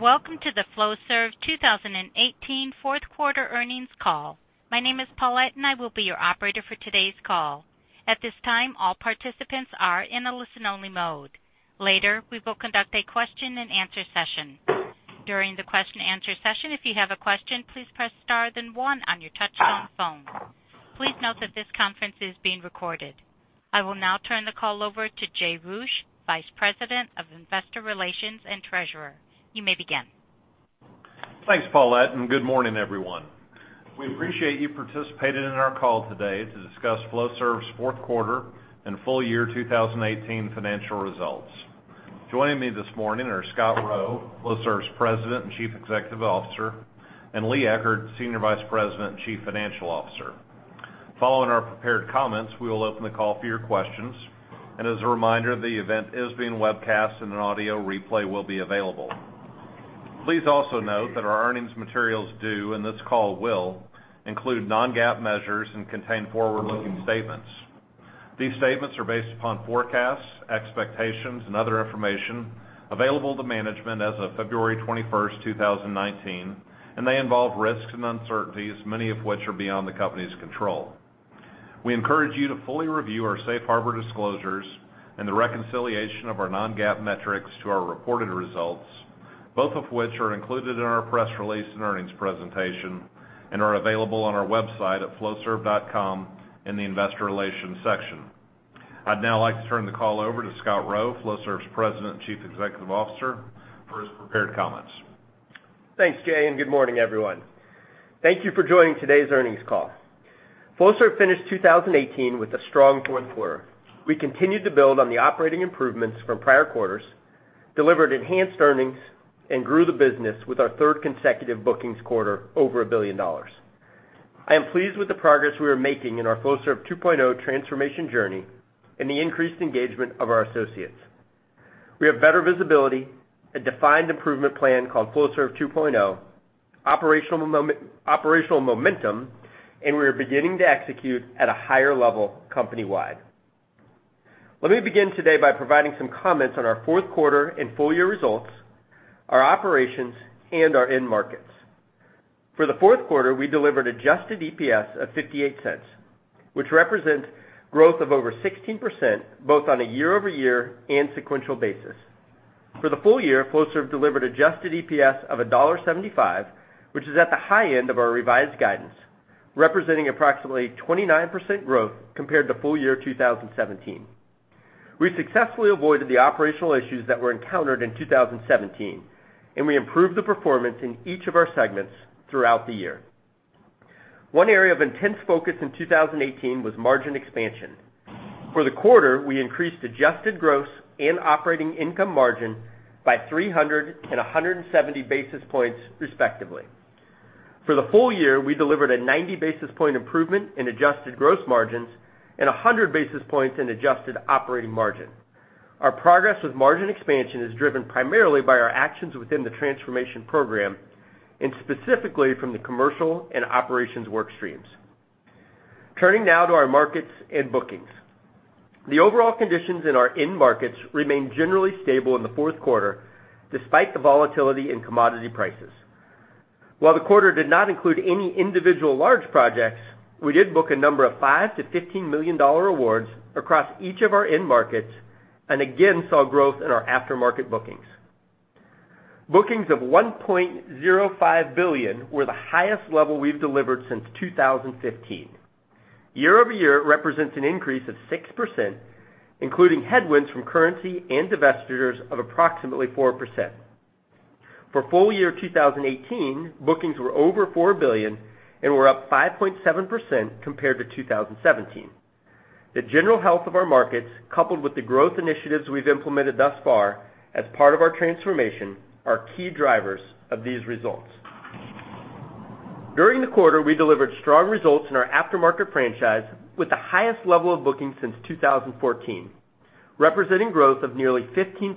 Welcome to the Flowserve 2018 Fourth Quarter Earnings Call. My name is Paulette, and I will be your operator for today's call. At this time, all participants are in a listen-only mode. Later, we will conduct a question and answer session. During the question and answer session, if you have a question, please press star then one on your touchtone phone. Please note that this conference is being recorded. I will now turn the call over to Jay Roueche, Vice President of Investor Relations and Treasurer. You may begin. Thanks, Paulette. Good morning, everyone. We appreciate you participating in our call today to discuss Flowserve's fourth quarter and full year 2018 financial results. Joining me this morning are Scott Rowe, Flowserve's President and Chief Executive Officer, and Lee Eckert, Senior Vice President and Chief Financial Officer. Following our prepared comments, we will open the call for your questions. As a reminder, the event is being webcast and an audio replay will be available. Please also note that our earnings materials do, and this call will, include non-GAAP measures and contain forward-looking statements. These statements are based upon forecasts, expectations, and other information available to management as of February 21st, 2019. They involve risks and uncertainties, many of which are beyond the company's control. We encourage you to fully review our safe harbor disclosures and the reconciliation of our non-GAAP metrics to our reported results, both of which are included in our press release and earnings presentation and are available on our website at flowserve.com in the investor relations section. I'd now like to turn the call over to Scott Rowe, Flowserve's President and Chief Executive Officer, for his prepared comments. Thanks, Jay. Good morning, everyone. Thank you for joining today's earnings call. Flowserve finished 2018 with a strong fourth quarter. We continued to build on the operating improvements from prior quarters, delivered enhanced earnings, and grew the business with our third consecutive bookings quarter over $1 billion. I am pleased with the progress we are making in our Flowserve 2.0 transformation journey and the increased engagement of our associates. We have better visibility, a defined improvement plan called Flowserve 2.0, operational momentum, and we are beginning to execute at a higher level company-wide. Let me begin today by providing some comments on our fourth quarter and full year results, our operations, and our end markets. For the fourth quarter, we delivered adjusted EPS of $0.58, which represent growth of over 16% both on a year-over-year and sequential basis. For the full year, Flowserve delivered adjusted EPS of $1.75, which is at the high end of our revised guidance, representing approximately 29% growth compared to full year 2017. We successfully avoided the operational issues that were encountered in 2017, and we improved the performance in each of our segments throughout the year. One area of intense focus in 2018 was margin expansion. For the quarter, we increased adjusted gross and operating income margin by 300 and 170 basis points respectively. For the whole year, we delivered a 90 basis point improvement in adjusted gross margins and 100 basis points in adjusted operating margin. Our progress with margin expansion is driven primarily by our actions within the transformation program, and specifically from the commercial and operations work streams. Turning now to our markets and bookings. The overall conditions in our end markets remained generally stable in the fourth quarter despite the volatility in commodity prices. While the quarter did not include any individual large projects, we did book a number of $5 million-$15 million awards across each of our end markets and again saw growth in our aftermarket bookings. Bookings of $1.05 billion were the highest level we've delivered since 2015. Year-over-year represents an increase of 6%, including headwinds from currency and divestitures of approximately 4%. For full year 2018, bookings were over $4 billion and were up 5.7% compared to 2017. The general health of our markets, coupled with the growth initiatives we've implemented thus far as part of our transformation, are key drivers of these results. During the quarter, we delivered strong results in our aftermarket franchise with the highest level of bookings since 2014, representing growth of nearly 15%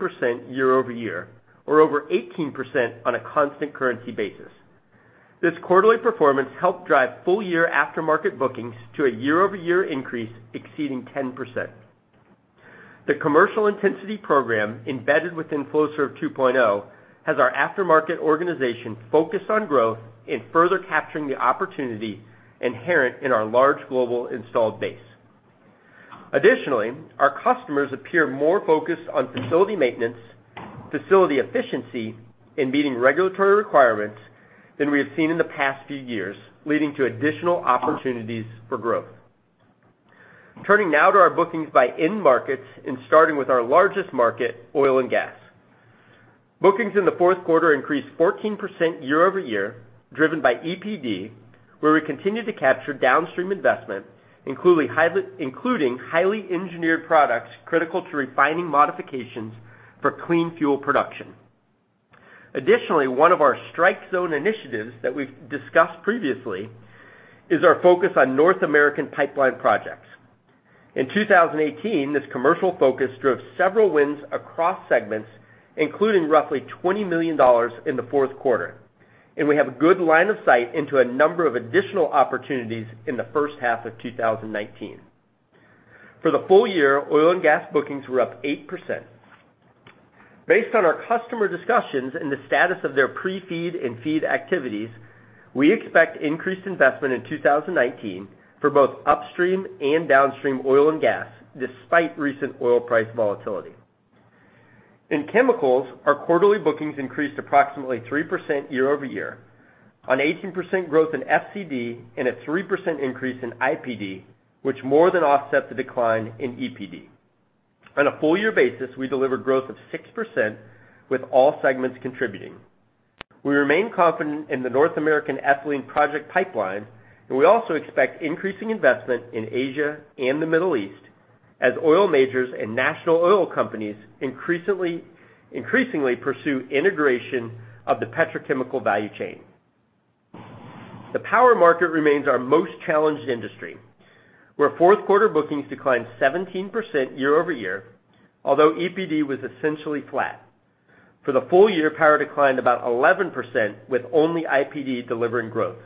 year-over-year, or over 18% on a constant currency basis. This quarterly performance helped drive full-year aftermarket bookings to a year-over-year increase exceeding 10%. The Commercial Intensity Program embedded within Flowserve 2.0 has our aftermarket organization focused on growth and further capturing the opportunity inherent in our large global installed base. Additionally, our customers appear more focused on facility maintenance, facility efficiency, and meeting regulatory requirements than we have seen in the past few years, leading to additional opportunities for growth. Turning now to our bookings by end markets and starting with our largest market, oil and gas. Bookings in the fourth quarter increased 14% year-over-year, driven by EPD, where we continued to capture downstream investment, including highly engineered products critical to refining modifications for clean fuel production. Additionally, one of our strike zone initiatives that we've discussed previously is our focus on North American pipeline projects. In 2018, this commercial focus drove several wins across segments, including roughly $20 million in the fourth quarter. We have a good line of sight into a number of additional opportunities in the first half of 2019. For the full year, oil and gas bookings were up 8%. Based on our customer discussions and the status of their pre-FEED and FEED activities, we expect increased investment in 2019 for both upstream and downstream oil and gas, despite recent oil price volatility. In chemicals, our quarterly bookings increased approximately 3% year-over-year, on 18% growth in FCD and a 3% increase in IPD, which more than offset the decline in EPD. On a full year basis, we delivered growth of 6%, with all segments contributing. We remain confident in the North American ethylene project pipeline, and we also expect increasing investment in Asia and the Middle East as oil majors and national oil companies increasingly pursue integration of the petrochemical value chain. The power market remains our most challenged industry, where fourth quarter bookings declined 17% year-over-year, although EPD was essentially flat. For the full year, power declined about 11%, with only IPD delivering growth.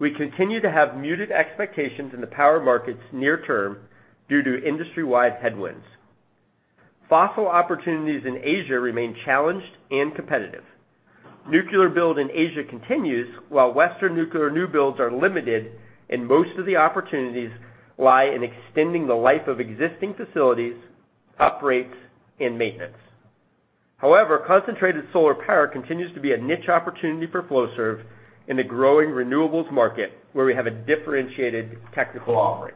We continue to have muted expectations in the power markets near term due to industry-wide headwinds. Fossil opportunities in Asia remain challenged and competitive. Nuclear build in Asia continues, while Western nuclear new builds are limited and most of the opportunities lie in extending the life of existing facilities, upgrades, and maintenance. Concentrated solar power continues to be a niche opportunity for Flowserve in the growing renewables market, where we have a differentiated technical offering.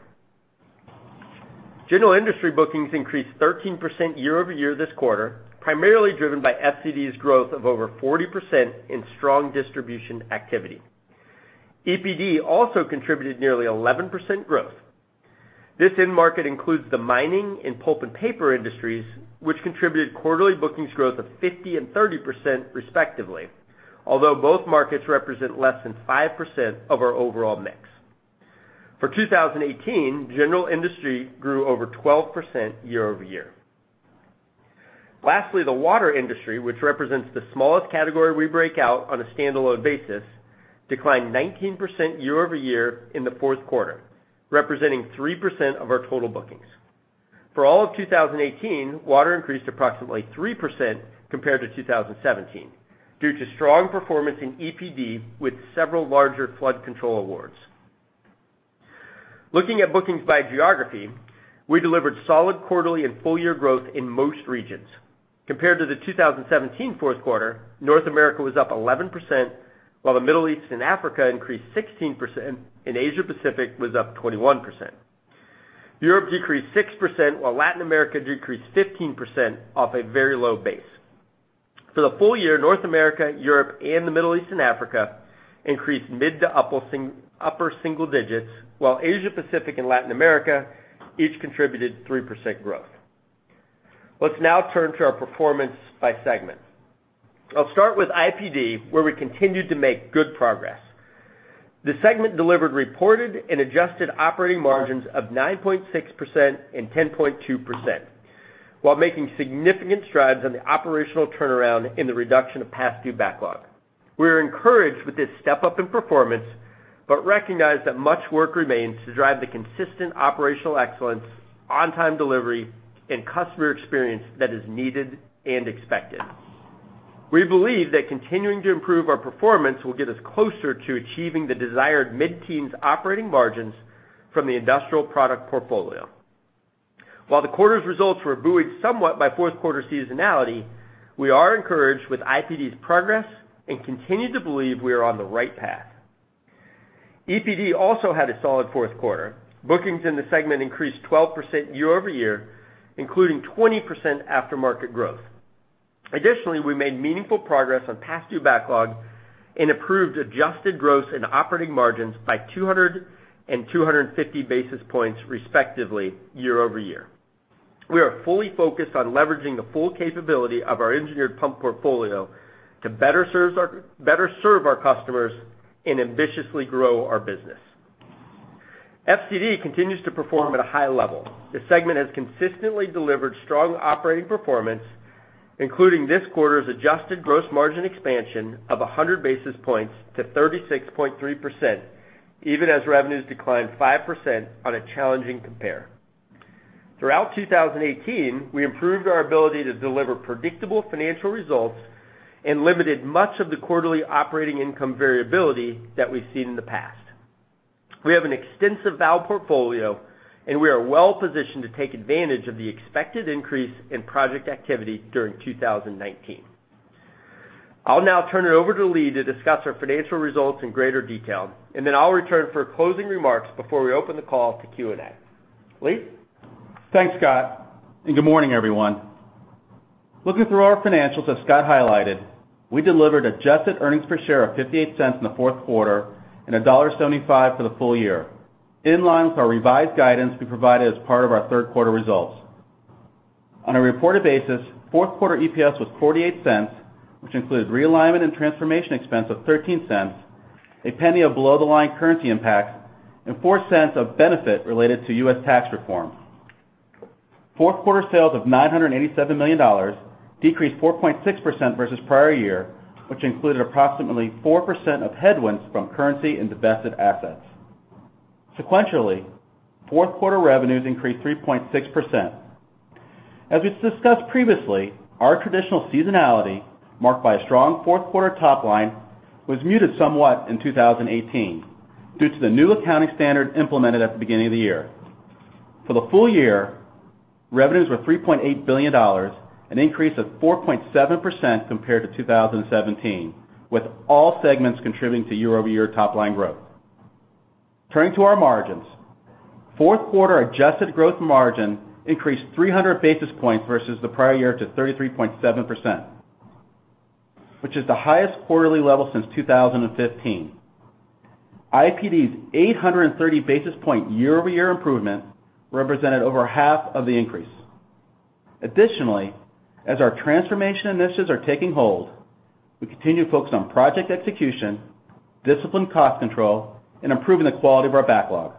General industry bookings increased 13% year-over-year this quarter, primarily driven by FCD's growth of over 40% in strong distribution activity. EPD also contributed nearly 11% growth. This end market includes the mining and pulp and paper industries, which contributed quarterly bookings growth of 50% and 30% respectively, although both markets represent less than 5% of our overall mix. For 2018, general industry grew over 12% year-over-year. Lastly, the water industry, which represents the smallest category we break out on a standalone basis, declined 19% year-over-year in the fourth quarter, representing 3% of our total bookings. For all of 2018, water increased approximately 3% compared to 2017 due to strong performance in EPD with several larger flood control awards. Looking at bookings by geography, we delivered solid quarterly and full year growth in most regions. Compared to the 2017 fourth quarter, North America was up 11%, while the Middle East and Africa increased 16%, and Asia Pacific was up 21%. Europe decreased 6%, while Latin America decreased 15% off a very low base. For the full year, North America, Europe, and the Middle East and Africa increased mid to upper single digits, while Asia Pacific and Latin America each contributed 3% growth. Let's now turn to our performance by segment. I'll start with IPD, where we continued to make good progress. The segment delivered reported and adjusted operating margins of 9.6% and 10.2%, while making significant strides on the operational turnaround in the reduction of past due backlog. We are encouraged with this step-up in performance, but recognize that much work remains to drive the consistent operational excellence, on-time delivery, and customer experience that is needed and expected. We believe that continuing to improve our performance will get us closer to achieving the desired mid-teens operating margins from the industrial product portfolio. While the quarter's results were buoyed somewhat by fourth quarter seasonality, we are encouraged with IPD's progress and continue to believe we are on the right path. EPD also had a solid fourth quarter. Bookings in the segment increased 12% year-over-year, including 20% aftermarket growth. Additionally, we made meaningful progress on past due backlog and improved adjusted gross and operating margins by 200 and 250 basis points, respectively, year-over-year. We are fully focused on leveraging the full capability of our engineered pump portfolio to better serve our customers and ambitiously grow our business. FCD continues to perform at a high level. This segment has consistently delivered strong operating performance, including this quarter's adjusted gross margin expansion of 100 basis points to 36.3%, even as revenues declined 5% on a challenging compare. Throughout 2018, we improved our ability to deliver predictable financial results and limited much of the quarterly operating income variability that we've seen in the past. We have an extensive valve portfolio, and we are well positioned to take advantage of the expected increase in project activity during 2019. I'll now turn it over to Lee to discuss our financial results in greater detail, and then I'll return for closing remarks before we open the call to Q&A. Lee? Thanks, Scott, and good morning, everyone. Looking through our financials, as Scott highlighted, we delivered adjusted earnings per share of $0.58 in the fourth quarter and $1.75 for the full year, in line with our revised guidance we provided as part of our third quarter results. On a reported basis, fourth quarter EPS was $0.48, which included realignment and transformation expense of $0.13, $0.01 of below-the-line currency impact, and $0.04 of benefit related to U.S. tax reform. Fourth quarter sales of $987 million decreased 4.6% versus prior year, which included approximately 4% of headwinds from currency and divested assets. Sequentially, fourth quarter revenues increased 3.6%. As we've discussed previously, our traditional seasonality, marked by a strong fourth quarter top line, was muted somewhat in 2018 due to the new accounting standard implemented at the beginning of the year. For the full year, revenues were $3.8 billion, an increase of 4.7% compared to 2017, with all segments contributing to year-over-year top line growth. Turning to our margins. Fourth quarter adjusted growth margin increased 300 basis points versus the prior year to 33.7%, which is the highest quarterly level since 2015. IPD's 830 basis point year-over-year improvement represented over half of the increase. Additionally, as our transformation initiatives are taking hold, we continue to focus on project execution, disciplined cost control, and improving the quality of our backlog.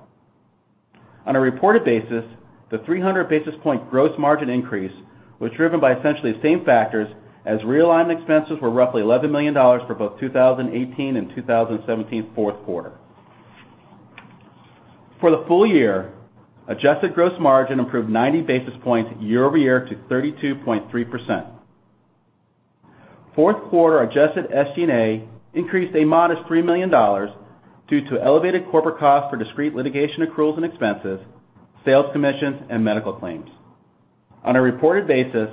On a reported basis, the 300 basis point gross margin increase was driven by essentially the same factors as realigned expenses were roughly $11 million for both 2018 and 2017's fourth quarter. For the full year, adjusted gross margin improved 90 basis points year-over-year to 32.3%. Fourth quarter adjusted SG&A increased a modest $3 million due to elevated corporate costs for discrete litigation accruals and expenses, sales commissions, and medical claims. On a reported basis,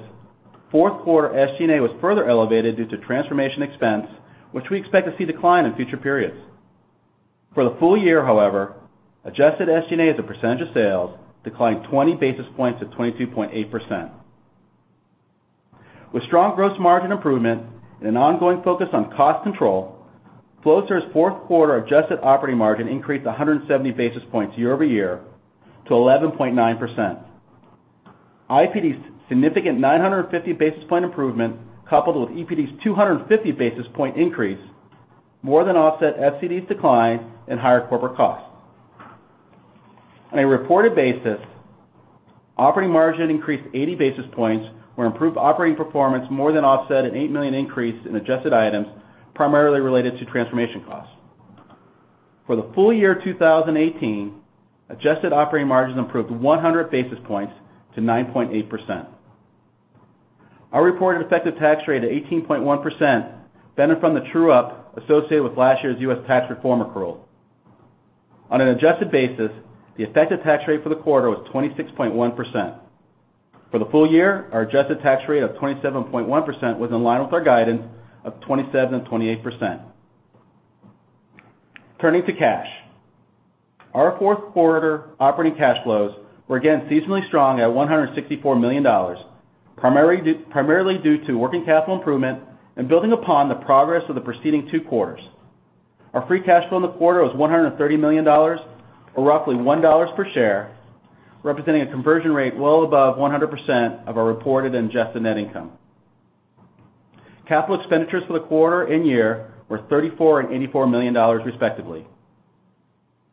fourth quarter SG&A was further elevated due to transformation expense, which we expect to see decline in future periods. For the full year, however, adjusted SG&A as a percentage of sales declined 20 basis points to 22.8%. With strong gross margin improvement and an ongoing focus on cost control, Flowserve's fourth quarter adjusted operating margin increased 170 basis points year-over-year to 11.9%. IPD's significant 950 basis point improvement, coupled with EPD's 250 basis point increase, more than offset FCD's decline in higher corporate costs. On a reported basis, operating margin increased 80 basis points, where improved operating performance more than offset an $8 million increase in adjusted items, primarily related to transformation costs. For the full year 2018, adjusted operating margins improved 100 basis points to 9.8%. Our reported effective tax rate of 18.1% benefited from the true-up associated with last year's U.S. tax reform accrual. On an adjusted basis, the effective tax rate for the quarter was 26.1%. For the full year, our adjusted tax rate of 27.1% was in line with our guidance of 27%-28%. Turning to cash. Our fourth quarter operating cash flows were again seasonally strong at $164 million, primarily due to working capital improvement and building upon the progress of the preceding two quarters. Our free cash flow in the quarter was $130 million, or roughly $1 per share, representing a conversion rate well above 100% of our reported and adjusted net income. Capital expenditures for the quarter and year were $34 and $84 million, respectively.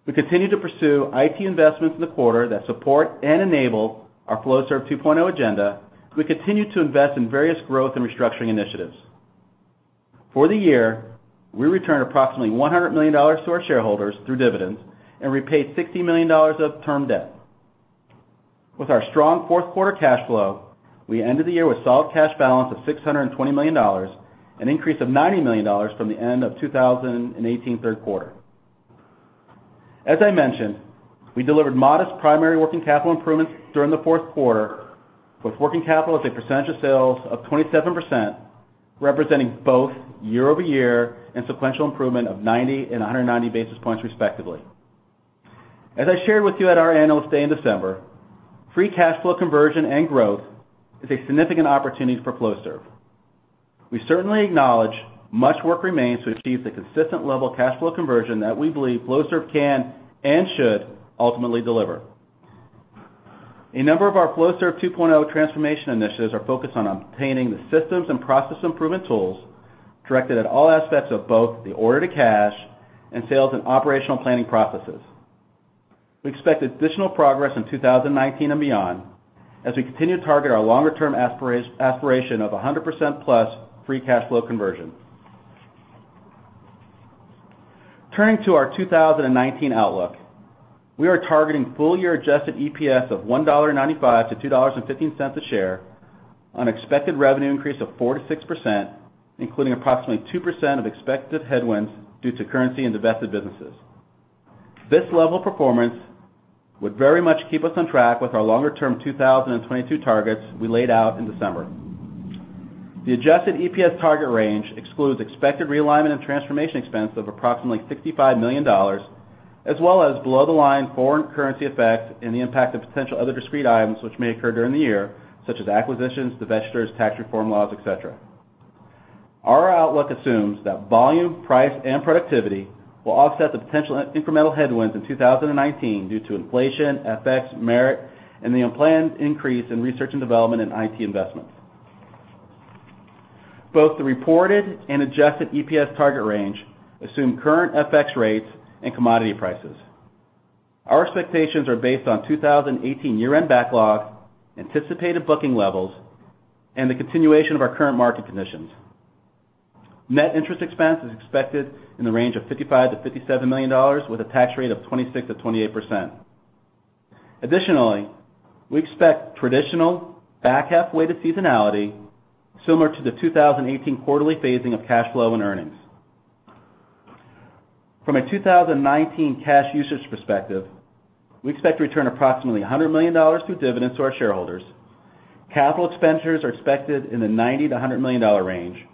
We continued to pursue IT investments in the quarter that support and enable our Flowserve 2.0 agenda. We continued to invest in various growth and restructuring initiatives. For the year, we returned approximately $100 million to our shareholders through dividends and repaid $60 million of term debt. With our strong fourth quarter cash flow, we ended the year with solid cash balance of $620 million, an increase of $90 million from the end of 2018's third quarter. As I mentioned, we delivered modest primary working capital improvements during the fourth quarter, with working capital as a percentage of sales of 27%, representing both year-over-year and sequential improvement of 90 and 190 basis points, respectively. As I shared with you at our Analyst Day in December, free cash flow conversion and growth is a significant opportunity for Flowserve. We certainly acknowledge much work remains to achieve the consistent level of cash flow conversion that we believe Flowserve can and should ultimately deliver. A number of our Flowserve 2.0 transformation initiatives are focused on obtaining the systems and process improvement tools directed at all aspects of both the order to cash and sales and operational planning processes. We expect additional progress in 2019 and beyond as we continue to target our longer-term aspiration of 100%-plus free cash flow conversion. Turning to our 2019 outlook. We are targeting full-year adjusted EPS of $1.95-$2.15 a share on expected revenue increase of 4%-6%, including approximately 2% of expected headwinds due to currency and divested businesses. This level of performance would very much keep us on track with our longer-term 2022 targets we laid out in December. The adjusted EPS target range excludes expected realignment of transformation expense of approximately $65 million, as well as below-the-line foreign currency effects and the impact of potential other discrete items which may occur during the year, such as acquisitions, divestitures, tax reform laws, et cetera. Our outlook assumes that volume, price, and productivity will offset the potential incremental headwinds in 2019 due to inflation, FX, merit, and the unplanned increase in research and development and IT investments. Both the reported and adjusted EPS target range assume current FX rates and commodity prices. Our expectations are based on 2018 year-end backlog, anticipated booking levels, and the continuation of our current market conditions. Net interest expense is expected in the range of $55 million-$57 million, with a tax rate of 26%-28%. Additionally, we expect traditional back-half weighted seasonality similar to the 2018 quarterly phasing of cash flow and earnings. From a 2019 cash usage perspective, we expect to return approximately $100 million through dividends to our shareholders. Capital expenditures are expected in the $90 million-$100 million range.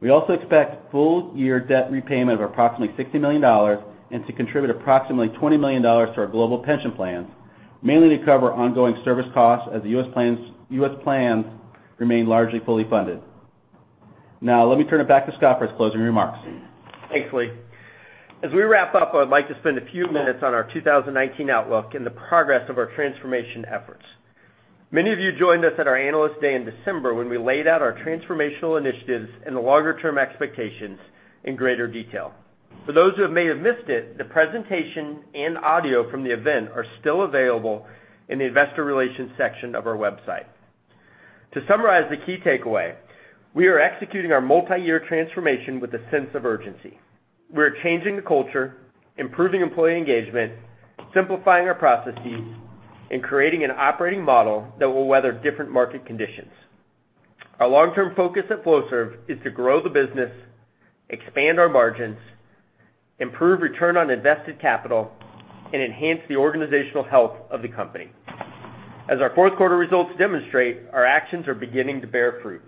We also expect full-year debt repayment of approximately $60 million and to contribute approximately $20 million to our global pension plans, mainly to cover ongoing service costs as the U.S. plans remain largely fully funded. Now, let me turn it back to Scott for his closing remarks. Thanks, Lee. As we wrap up, I would like to spend a few minutes on our 2019 outlook and the progress of our transformation efforts. Many of you joined us at our Analyst Day in December when we laid out our transformational initiatives and the longer-term expectations in greater detail. For those who may have missed it, the presentation and audio from the event are still available in the investor relations section of our website. To summarize the key takeaway, we are executing our multi-year transformation with a sense of urgency. We are changing the culture, improving employee engagement, simplifying our processes, and creating an operating model that will weather different market conditions. Our long-term focus at Flowserve is to grow the business, expand our margins, improve return on invested capital, and enhance the organizational health of the company. As our fourth quarter results demonstrate, our actions are beginning to bear fruit.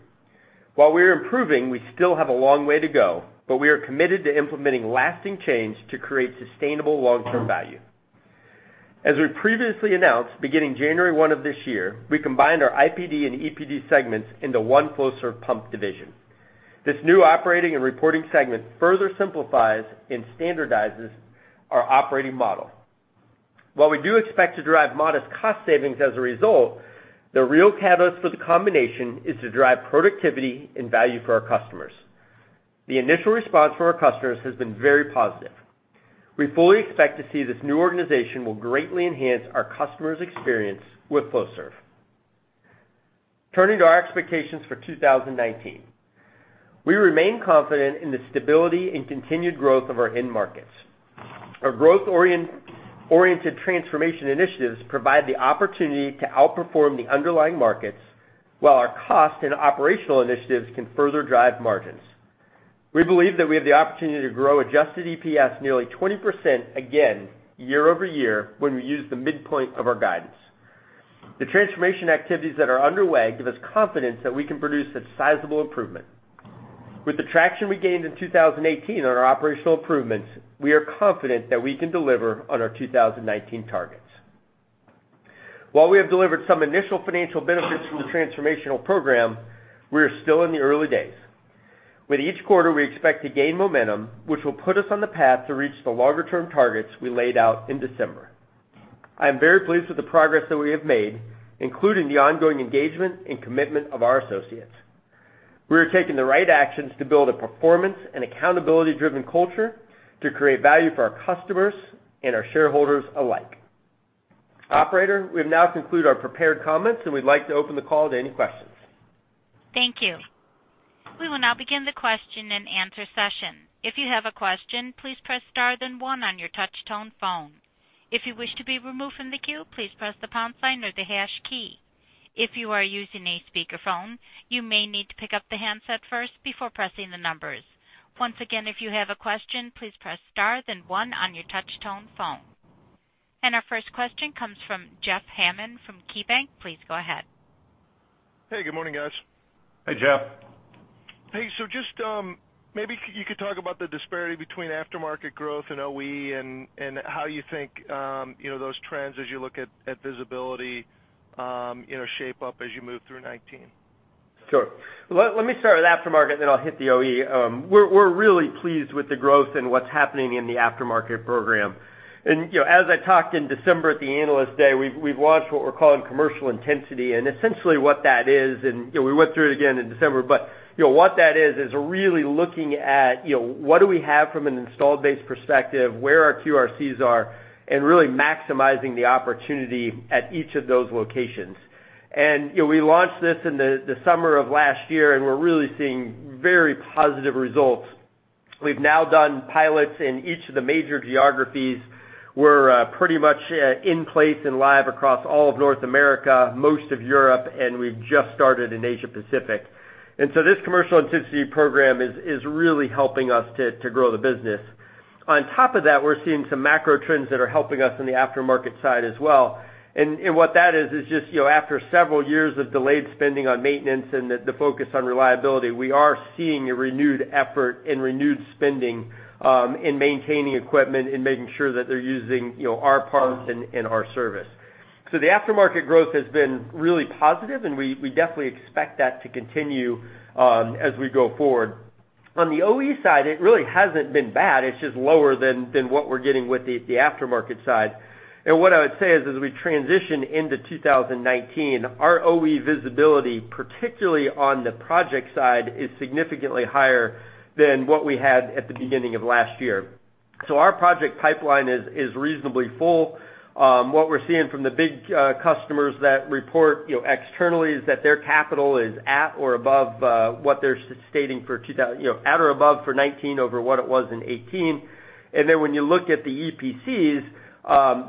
While we are improving, we still have a long way to go, but we are committed to implementing lasting change to create sustainable long-term value. As we previously announced, beginning January 1 of this year, we combined our IPD and EPD segments into one Flowserve Pumps Division. This new operating and reporting segment further simplifies and standardizes our operating model. While we do expect to derive modest cost savings as a result, the real catalyst for the combination is to drive productivity and value for our customers. The initial response from our customers has been very positive. We fully expect to see this new organization will greatly enhance our customers' experience with Flowserve. Turning to our expectations for 2019. We remain confident in the stability and continued growth of our end markets. Our growth-oriented transformation initiatives provide the opportunity to outperform the underlying markets, while our cost and operational initiatives can further drive margins. We believe that we have the opportunity to grow adjusted EPS nearly 20% again year-over-year when we use the midpoint of our guidance. The transformation activities that are underway give us confidence that we can produce a sizable improvement. With the traction we gained in 2018 on our operational improvements, we are confident that we can deliver on our 2019 targets. While we have delivered some initial financial benefits from the transformational program, we are still in the early days. With each quarter, we expect to gain momentum, which will put us on the path to reach the longer-term targets we laid out in December. I am very pleased with the progress that we have made, including the ongoing engagement and commitment of our associates. We are taking the right actions to build a performance and accountability-driven culture to create value for our customers and our shareholders alike. Operator, we have now concluded our prepared comments. We'd like to open the call to any questions. Thank you. We will now begin the question-and-answer session. If you have a question, please press star then one on your touch-tone phone. If you wish to be removed from the queue, please press the pound sign or the hash key. If you are using a speakerphone, you may need to pick up the handset first before pressing the numbers. Once again, if you have a question, please press star then one on your touch-tone phone. Our first question comes from Jeff Hammond from KeyBanc. Please go ahead. Hey, good morning, guys. Hey, Jeff. Hey, just maybe you could talk about the disparity between aftermarket growth and OE and how you think those trends as you look at visibility shape up as you move through 2019? Sure. Let me start with aftermarket, then I'll hit the OE. We're really pleased with the growth and what's happening in the aftermarket program. As I talked in December at the Analyst Day, we've launched what we're calling commercial intensity, and essentially what that is, and we went through it again in December, but what that is really looking at what do we have from an installed base perspective, where our QRCs are, and really maximizing the opportunity at each of those locations. We launched this in the summer of last year, and we're really seeing very positive results. We've now done pilots in each of the major geographies. We're pretty much in place and live across all of North America, most of Europe, and we've just started in Asia Pacific. This commercial intensity program is really helping us to grow the business. On top of that we're seeing some macro trends that are helping us in the aftermarket side as well. What that is just after several years of delayed spending on maintenance and the focus on reliability, we are seeing a renewed effort and renewed spending in maintaining equipment and making sure that they're using our parts and our service. The aftermarket growth has been really positive, and we definitely expect that to continue as we go forward. On the OE side, it really hasn't been bad. It's just lower than what we're getting with the aftermarket side. What I would say is as we transition into 2019, our OE visibility, particularly on the project side, is significantly higher than what we had at the beginning of last year. Our project pipeline is reasonably full. What we're seeing from the big customers that report externally is that their capital is at or above for 2019 over what it was in 2018. When you look at the EPCs,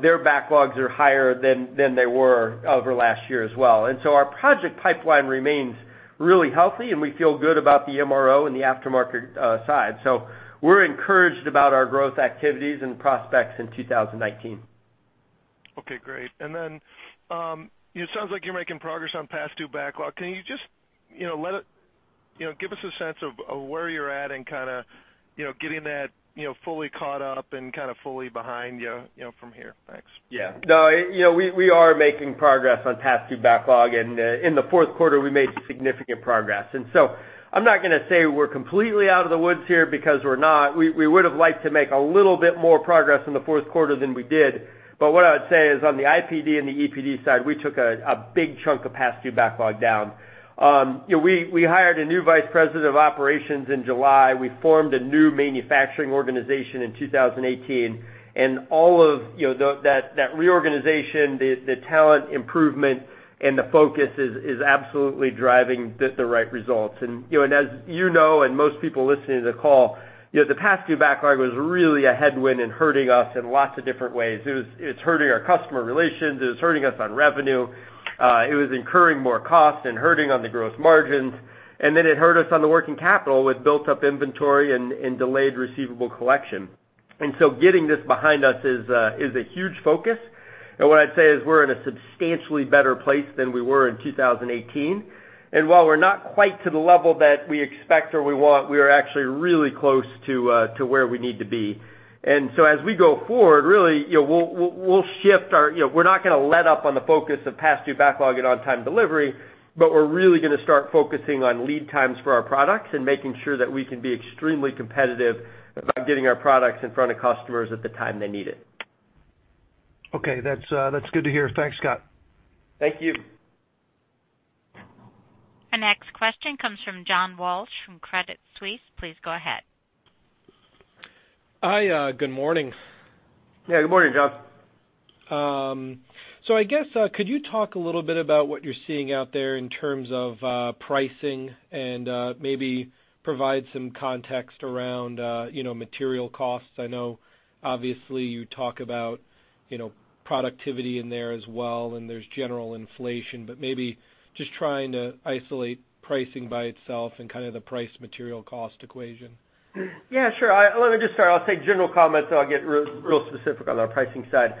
their backlogs are higher than they were over last year as well. Our project pipeline remains really healthy, and we feel good about the MRO and the aftermarket side. We're encouraged about our growth activities and prospects in 2019. Okay, great. It sounds like you're making progress on past due backlog. Can you just give us a sense of where you're at in kind of getting that fully caught up and kind of fully behind you from here? Thanks. Yeah. We are making progress on past due backlog, and in the fourth quarter, we made significant progress. I'm not going to say we're completely out of the woods here because we're not. We would've liked to make a little bit more progress in the fourth quarter than we did. What I would say is on the IPD and the EPD side, we took a big chunk of past due backlog down. We hired a new Vice President of Operations in July. We formed a new manufacturing organization in 2018. All of that reorganization, the talent improvement and the focus is absolutely driving the right results. As you know, and most people listening to the call, the past due backlog was really a headwind and hurting us in lots of different ways. It's hurting our customer relations. It was hurting us on revenue. It was incurring more costs and hurting on the gross margins. It hurt us on the working capital with built-up inventory and delayed receivable collection. Getting this behind us is a huge focus. What I'd say is we're in a substantially better place than we were in 2018. While we're not quite to the level that we expect or we want, we are actually really close to where we need to be. As we go forward, really, we're not going to let up on the focus of past due backlog and on-time delivery, but we're really going to start focusing on lead times for our products and making sure that we can be extremely competitive about getting our products in front of customers at the time they need it. Okay. That's good to hear. Thanks, Scott. Thank you. Our next question comes from John Walsh from Credit Suisse. Please go ahead. Hi. Good morning. Yeah. Good morning, John. I guess, could you talk a little bit about what you're seeing out there in terms of pricing and maybe provide some context around material costs? I know obviously you talk about productivity in there as well, there's general inflation, maybe just trying to isolate pricing by itself and kind of the price material cost equation. Yeah, sure. Let me just start. I'll take general comments, I'll get real specific on our pricing side.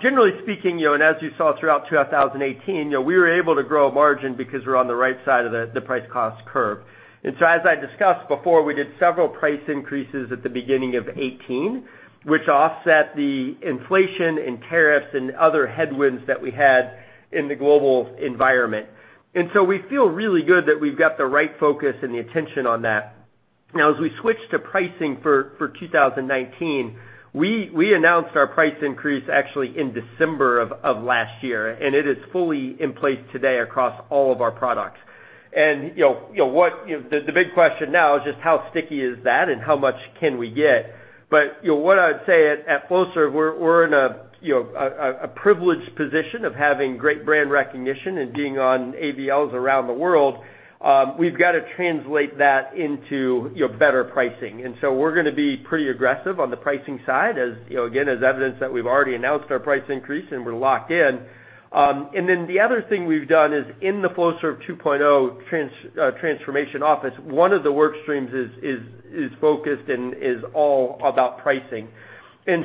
Generally speaking, as you saw throughout 2018, we were able to grow a margin because we're on the right side of the price cost curve. As I discussed before, we did several price increases at the beginning of 2018, which offset the inflation in tariffs and other headwinds that we had in the global environment. We feel really good that we've got the right focus and the attention on that. Now, as we switch to pricing for 2019, we announced our price increase actually in December of last year, it is fully in place today across all of our products. The big question now is just how sticky is that how much can we get. What I would say at Flowserve, we're in a privileged position of having great brand recognition and being on AVLs around the world. We've got to translate that into better pricing. We're going to be pretty aggressive on the pricing side, again, as evidence that we've already announced our price increase we're locked in. The other thing we've done is in the Flowserve 2.0 transformation office, one of the work streams is focused is all about pricing. When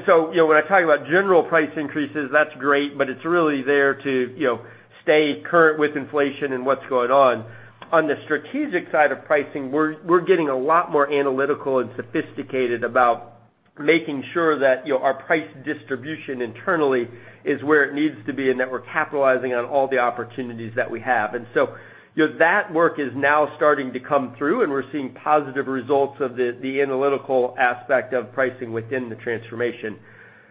I talk about general price increases, that's great, it's really there to stay current with inflation what's going on. On the strategic side of pricing, we're getting a lot more analytical sophisticated about making sure that our price distribution internally is where it needs to be that we're capitalizing on all the opportunities that we have. That work is now starting to come through, we're seeing positive results of the analytical aspect of pricing within the transformation.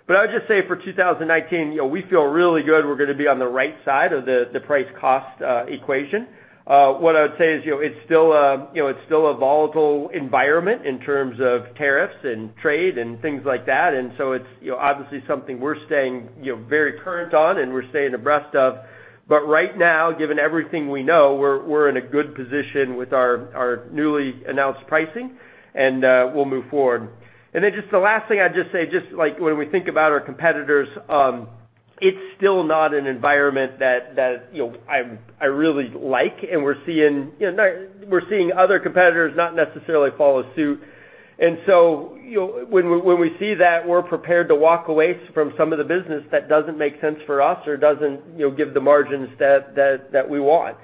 I would just say for 2019, we feel really good we're going to be on the right side of the price cost equation. What I would say is it's still a volatile environment in terms of tariffs trade things like that. It's obviously something we're staying very current on we're staying abreast of. Right now, given everything we know, we're in a good position with our newly announced pricing we'll move forward. Just the last thing I'd just say, just like when we think about our competitors, it's still not an environment that I really like, we're seeing other competitors not necessarily follow suit. When we see that, we're prepared to walk away from some of the business that doesn't make sense for us or doesn't give the margins that we want.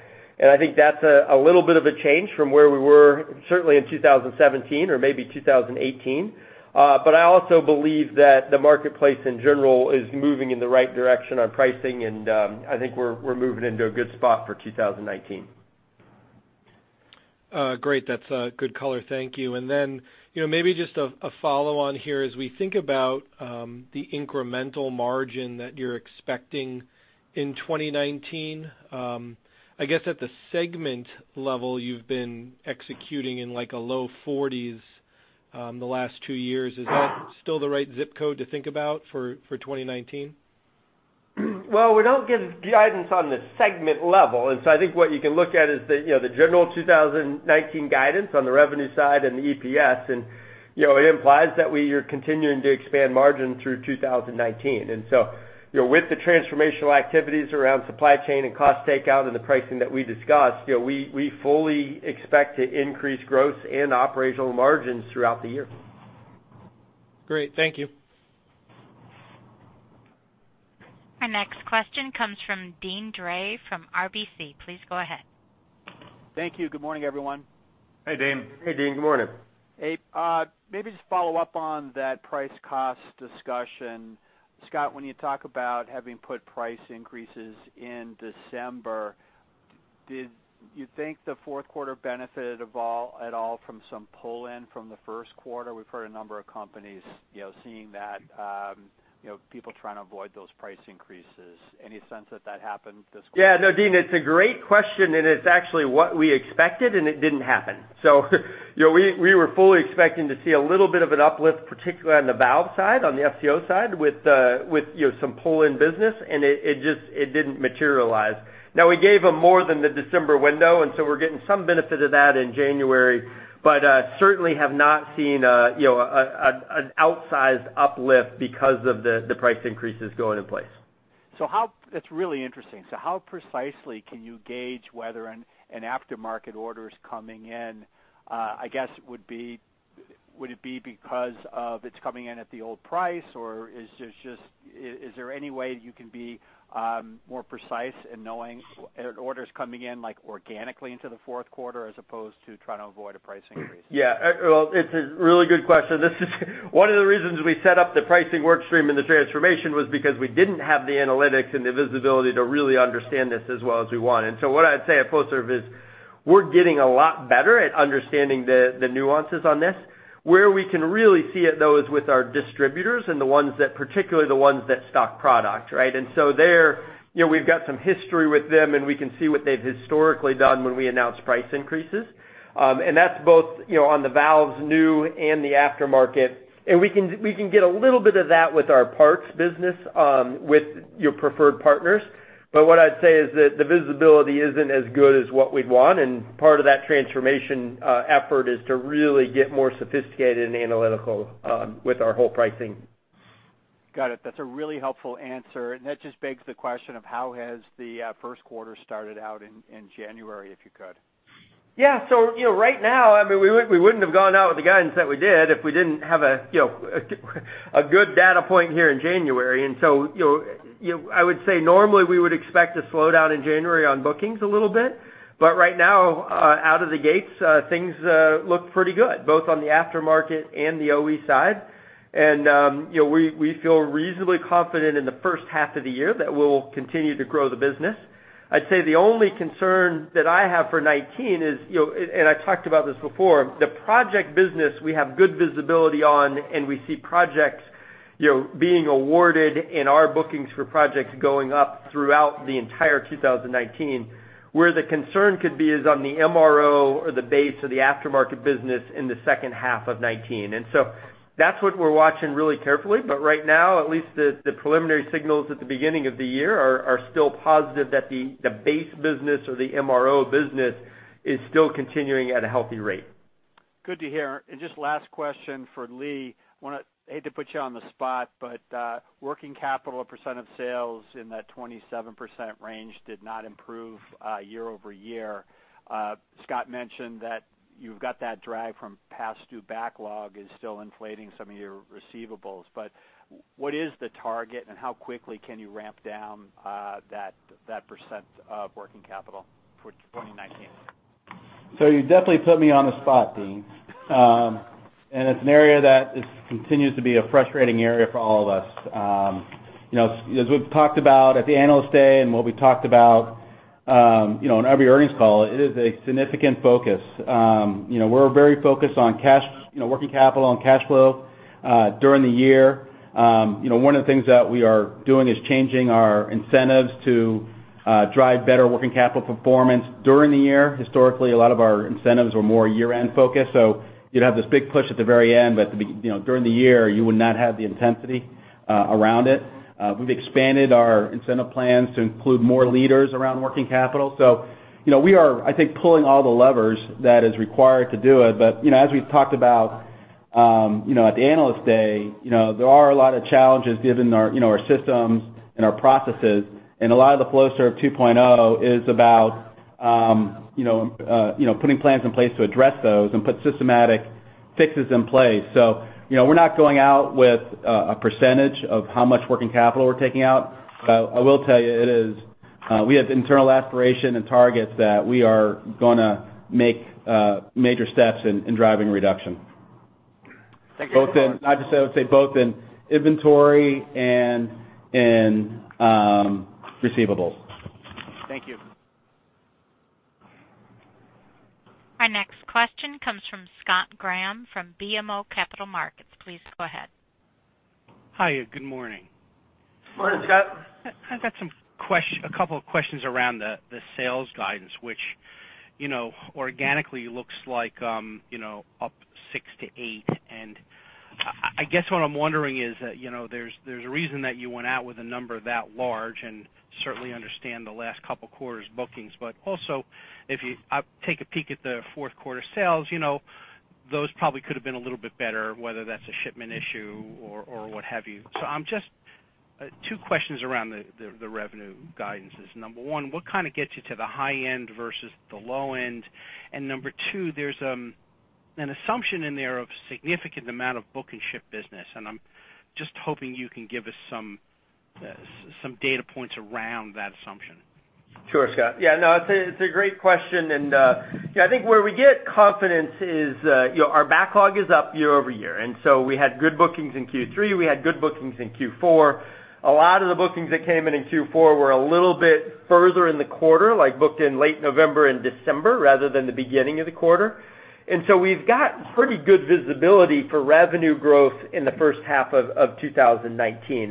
I think that's a little bit of a change from where we were certainly in 2017 or maybe 2018. I also believe that the marketplace in general is moving in the right direction on pricing, and I think we're moving into a good spot for 2019. Great. That's good color. Thank you. Maybe just a follow on here. As we think about the incremental margin that you're expecting in 2019, I guess at the segment level, you've been executing in like a low 40s the last two years. Is that still the right zip code to think about for 2019? Well, we don't give guidance on the segment level. I think what you can look at is the general 2019 guidance on the revenue side and the EPS, it implies that we are continuing to expand margin through 2019. With the transformational activities around supply chain and cost takeout and the pricing that we discussed, we fully expect to increase growth and operational margins throughout the year. Great. Thank you. Our next question comes from Deane Dray from RBC. Please go ahead. Thank you. Good morning, everyone. Hey, Deane. Hey, Deane. Good morning. Maybe just follow up on that price cost discussion. Scott, when you talk about having put price increases in December, did you think the fourth quarter benefited at all from some pull-in from the first quarter? We've heard a number of companies seeing that, people trying to avoid those price increases. Any sense that that happened this quarter? Yeah. No, Deane, it's a great question. It's actually what we expected. It didn't happen. We were fully expecting to see a little bit of an uplift, particularly on the valve side, on the FCD side with some pull-in business. It didn't materialize. We gave them more than the December window. We're getting some benefit of that in January. Certainly have not seen an outsized uplift because of the price increases going in place. That's really interesting. How precisely can you gauge whether an aftermarket order is coming in? I guess, would it be because of it's coming in at the old price, or is there any way you can be more precise in knowing orders coming in organically into the fourth quarter as opposed to trying to avoid a price increase? Yeah. Well, it's a really good question. This is one of the reasons we set up the pricing work stream in the transformation was because we didn't have the analytics and the visibility to really understand this as well as we want. What I'd say at Flowserve is we're getting a lot better at understanding the nuances on this. Where we can really see it, though, is with our distributors and particularly the ones that stock product, right? There we've got some history with them. We can see what they've historically done when we announce price increases. That's both on the valves new and the aftermarket. We can get a little bit of that with our parts business with your preferred partners. What I'd say is that the visibility isn't as good as what we'd want, and part of that transformation effort is to really get more sophisticated and analytical with our whole pricing. Got it. That's a really helpful answer. That just begs the question of how has the first quarter started out in January, if you could? Yeah. Right now, we wouldn't have gone out with the guidance that we did if we didn't have a good data point here in January. I would say normally we would expect a slowdown in January on bookings a little bit. Right now, out of the gates, things look pretty good, both on the aftermarket and the OE side. We feel reasonably confident in the first half of the year that we'll continue to grow the business. I'd say the only concern that I have for 2019 is, and I've talked about this before, the project business we have good visibility on, and we see projects being awarded and our bookings for projects going up throughout the entire 2019. Where the concern could be is on the MRO or the base or the aftermarket business in the second half of 2019. That's what we're watching really carefully. Right now, at least the preliminary signals at the beginning of the year are still positive that the base business or the MRO business is still continuing at a healthy rate. Just last question for Lee. I hate to put you on the spot, working capital, a percent of sales in that 27% range did not improve year-over-year. Scott mentioned that you've got that drag from past due backlog is still inflating some of your receivables. What is the target, and how quickly can you ramp down that percent of working capital for 2019? You definitely put me on the spot, Deane. It's an area that continues to be a frustrating area for all of us. As we've talked about at the Analyst Day and what we talked about in every earnings call, it is a significant focus. We're very focused on working capital and cash flow during the year. One of the things that we are doing is changing our incentives to drive better working capital performance during the year. Historically, a lot of our incentives were more year-end focused, so you'd have this big push at the very end, but during the year, you would not have the intensity around it. We've expanded our incentive plans to include more leaders around working capital. We are, I think, pulling all the levers that is required to do it. As we've talked about at the Analyst Day, there are a lot of challenges given our systems and our processes, and a lot of the Flowserve 2.0 is about putting plans in place to address those and put systematic fixes in place. We're not going out with a percentage of how much working capital we're taking out. I will tell you, we have internal aspiration and targets that we are going to make major steps in driving reduction. Thank you. I'd just say both in inventory and in receivables. Thank you. Our next question comes from Scott Graham from BMO Capital Markets. Please go ahead. Hi, good morning. Morning, Scott. I've got a couple of questions around the sales guidance, which organically looks like up 6%-8%. I guess what I'm wondering is there's a reason that you went out with a number that large, certainly understand the last couple quarters' bookings. Also, if you take a peek at the fourth quarter sales, those probably could have been a little bit better, whether that's a shipment issue or what have you. Just two questions around the revenue guidances. Number one, what kind of gets you to the high end versus the low end? Number two, there's an assumption in there of significant amount of book and ship business, I'm just hoping you can give us some data points around that assumption. Sure, Scott. It's a great question, I think where we get confidence is our backlog is up year-over-year. We had good bookings in Q3, we had good bookings in Q4. A lot of the bookings that came in in Q4 were a little bit further in the quarter, like booked in late November and December rather than the beginning of the quarter. We've got pretty good visibility for revenue growth in the first half of 2019.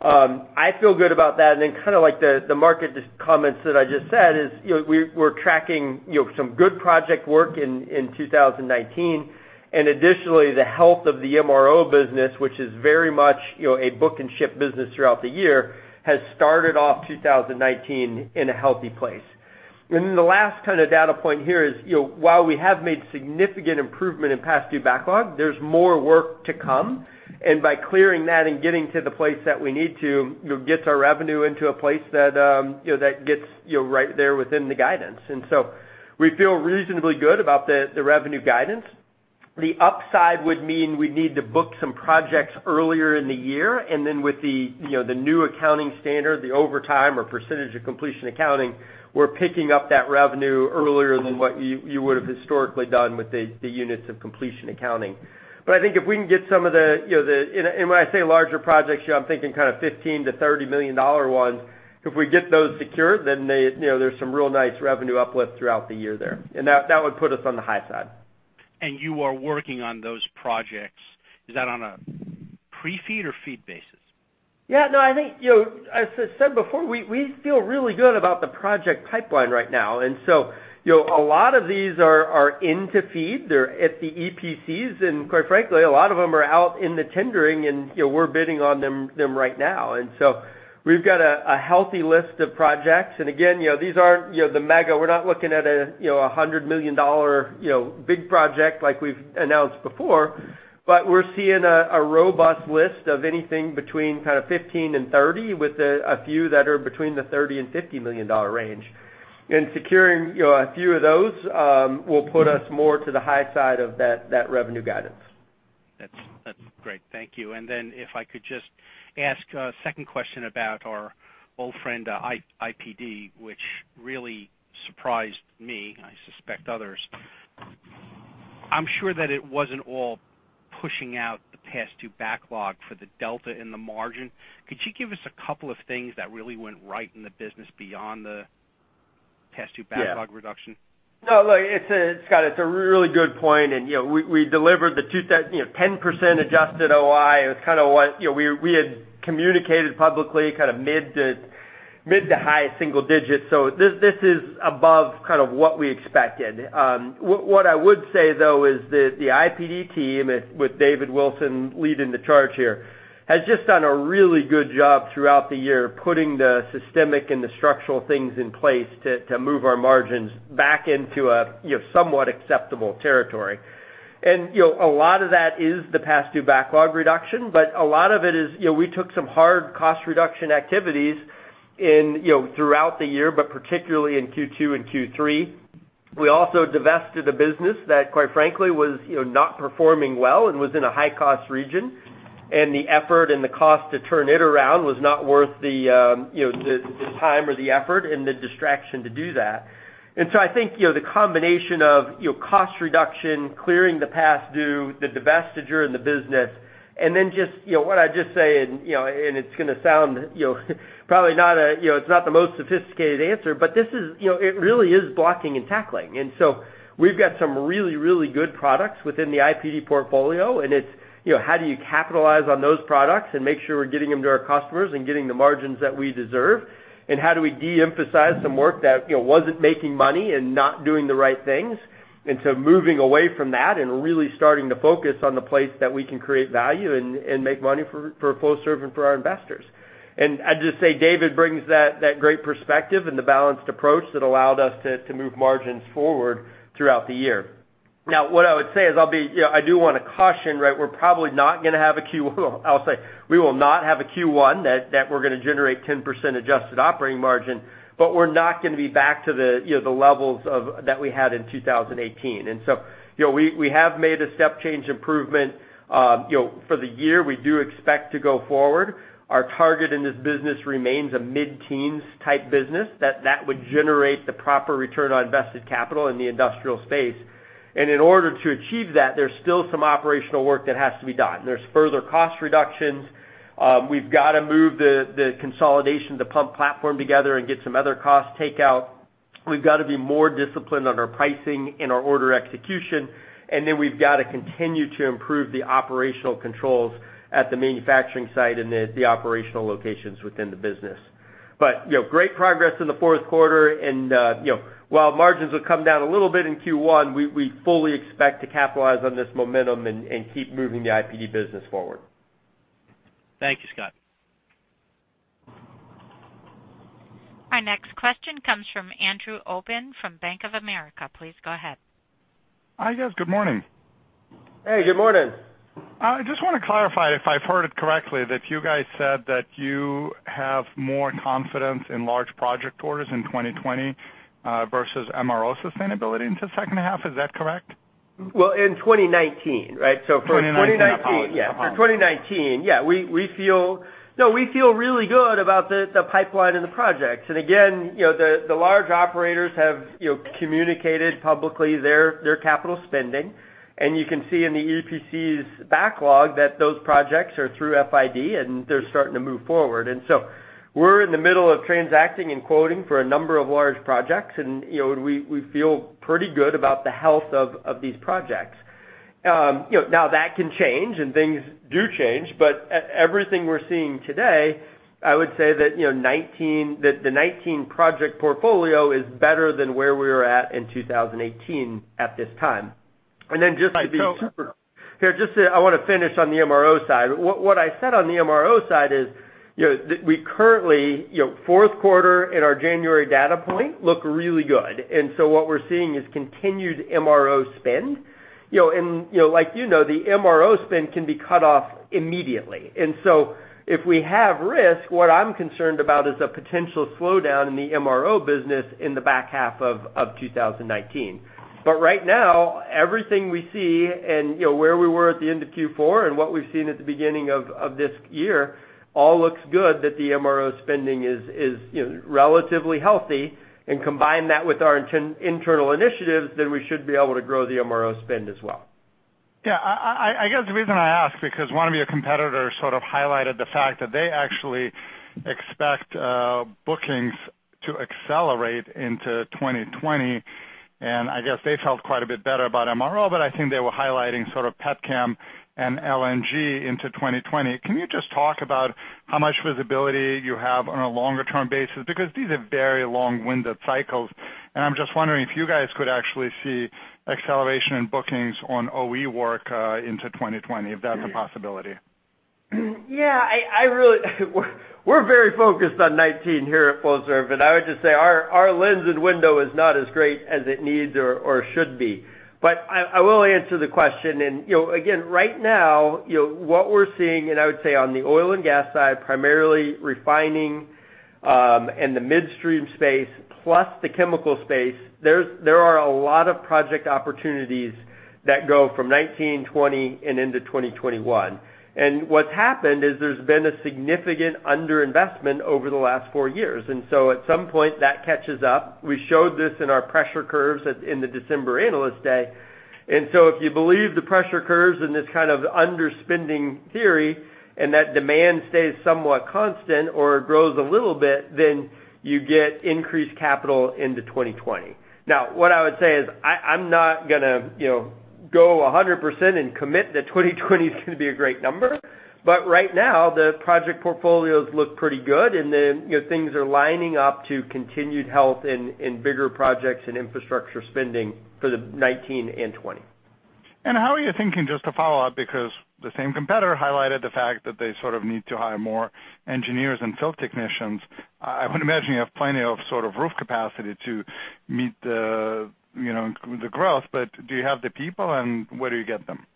I feel good about that. Kind of like the market comments that I just said is we're tracking some good project work in 2019. Additionally, the health of the MRO business, which is very much a book and ship business throughout the year, has started off 2019 in a healthy place. The last kind of data point here is, while we have made significant improvement in past due backlog, there's more work to come. By clearing that and getting to the place that we need to gets our revenue into a place that gets right there within the guidance. We feel reasonably good about the revenue guidance. The upside would mean we need to book some projects earlier in the year, with the new accounting standard, the overtime or percentage of completion accounting, we're picking up that revenue earlier than what you would've historically done with the units of completion accounting. I think if we can get some of the When I say larger projects, I'm thinking kind of $15 million-$30 million ones. If we get those secured, there's some real nice revenue uplift throughout the year there. That would put us on the high side. You are working on those projects. Is that on a pre-FEED or FEED basis? Yeah, no, I think, as I said before, we feel really good about the project pipeline right now. A lot of these are in to FEED. They're at the EPCs, and quite frankly, a lot of them are out in the tendering, and we're bidding on them right now. We've got a healthy list of projects. And again, these aren't the mega. We're not looking at $100 million big project like we've announced before, but we're seeing a robust list of anything between kind of 15-30 with a few that are between the $30 million-$50 million range. And securing a few of those will put us more to the high side of that revenue guidance. That's great. Thank you. If I could just ask a second question about our old friend, IPD, which really surprised me, I suspect others. I'm sure that it wasn't all pushing out the past due backlog for the delta in the margin. Could you give us a couple of things that really went right in the business beyond the past due backlog reduction? Yeah. No, look, Scott, it's a really good point, and we delivered the 10% adjusted OI. We had communicated publicly mid to high single digits. This is above what we expected. What I would say, though, is that the IPD team, with David Wilson leading the charge here, has just done a really good job throughout the year putting the systemic and the structural things in place to move our margins back into a somewhat acceptable territory. And a lot of that is the past due backlog reduction, but a lot of it is we took some hard cost reduction activities throughout the year, but particularly in Q2 and Q3. We also divested a business that, quite frankly, was not performing well and was in a high-cost region. The effort and the cost to turn it around was not worth the time or the effort and the distraction to do that. I think the combination of cost reduction, clearing the past due, the divestiture in the business, then what I'd just say, it's going to sound probably it's not the most sophisticated answer, but it really is blocking and tackling. We've got some really, really good products within the IPD portfolio, and it's how do you capitalize on those products and make sure we're getting them to our customers and getting the margins that we deserve? How do we de-emphasize some work that wasn't making money and not doing the right things? Moving away from that and really starting to focus on the place that we can create value and make money for Flowserve and for our investors. I'd just say David brings that great perspective and the balanced approach that allowed us to move margins forward throughout the year. Now, what I would say is I do want to caution, we're probably not going to have a Q1 that we're going to generate 10% adjusted operating margin, but we're not going to be back to the levels that we had in 2018. We have made a step change improvement for the year. We do expect to go forward. Our target in this business remains a mid-teens type business that would generate the proper return on invested capital in the industrial space. In order to achieve that, there's still some operational work that has to be done. There's further cost reductions. We've got to move the consolidation, the pump platform together and get some other cost takeout. We've got to be more disciplined on our pricing and our order execution, we've got to continue to improve the operational controls at the manufacturing site and the operational locations within the business. Great progress in the fourth quarter. While margins will come down a little bit in Q1, we fully expect to capitalize on this momentum and keep moving the IPD business forward. Thank you, Scott. Our next question comes from Andrew Obin from Bank of America. Please go ahead. Hi, guys. Good morning. Hey, good morning. I just want to clarify if I've heard it correctly, that you guys said that you have more confidence in large project orders in 2020, versus MRO sustainability into second half. Is that correct? Well, in 2019, right? 2019. I apologize. For 2019, yeah. No, we feel really good about the pipeline and the projects. Again, the large operators have communicated publicly their capital spending. You can see in the EPCs backlog that those projects are through FID, and they're starting to move forward. We're in the middle of transacting and quoting for a number of large projects, and we feel pretty good about the health of these projects. Now, that can change and things do change, but everything we're seeing today, I would say that the '19 project portfolio is better than where we were at in 2018 at this time. Just to be super- Right. - I want to finish on the MRO side. What I said on the MRO side is, that we currently, fourth quarter and our January data point look really good. What we're seeing is continued MRO spend. You know, the MRO spend can be cut off immediately. If we have risk, what I'm concerned about is a potential slowdown in the MRO business in the back half of 2019. Right now, everything we see and where we were at the end of Q4 and what we've seen at the beginning of this year all looks good that the MRO spending is relatively healthy. Combine that with our internal initiatives, we should be able to grow the MRO spend as well. I guess the reason I ask, because one of your competitors sort of highlighted the fact that they actually expect bookings to accelerate into 2020, and I guess they felt quite a bit better about MRO, but I think they were highlighting sort of petchem and LNG into 2020. Can you just talk about how much visibility you have on a longer-term basis? Because these are very long-winded cycles, and I'm just wondering if you guys could actually see acceleration in bookings on OE work, into 2020, if that's a possibility. We're very focused on 2019 here at Flowserve, and I would just say our lens and window is not as great as it needs or should be. I will answer the question. Again, right now, what we're seeing, and I would say on the oil and gas side, primarily refining, and the midstream space plus the chemical space, there are a lot of project opportunities that go from 2019, 2020, and into 2021. What's happened is there's been a significant underinvestment over the last four years. At some point that catches up. We showed this in our pressure curves at in the December Analyst Day. If you believe the pressure curves and this kind of underspending theory and that demand stays somewhat constant or grows a little bit, you get increased capital into 2020. What I would say is I'm not going to go 100% and commit that 2020 is going to be a great number. Right now, the project portfolios look pretty good, things are lining up to continued health in bigger projects and infrastructure spending for the 2019 and 2020. How are you thinking, just to follow up, because the same competitor highlighted the fact that they sort of need to hire more engineers and field technicians. I would imagine you have plenty of sort of roof capacity to meet the growth, but do you have the people, and where do you get them?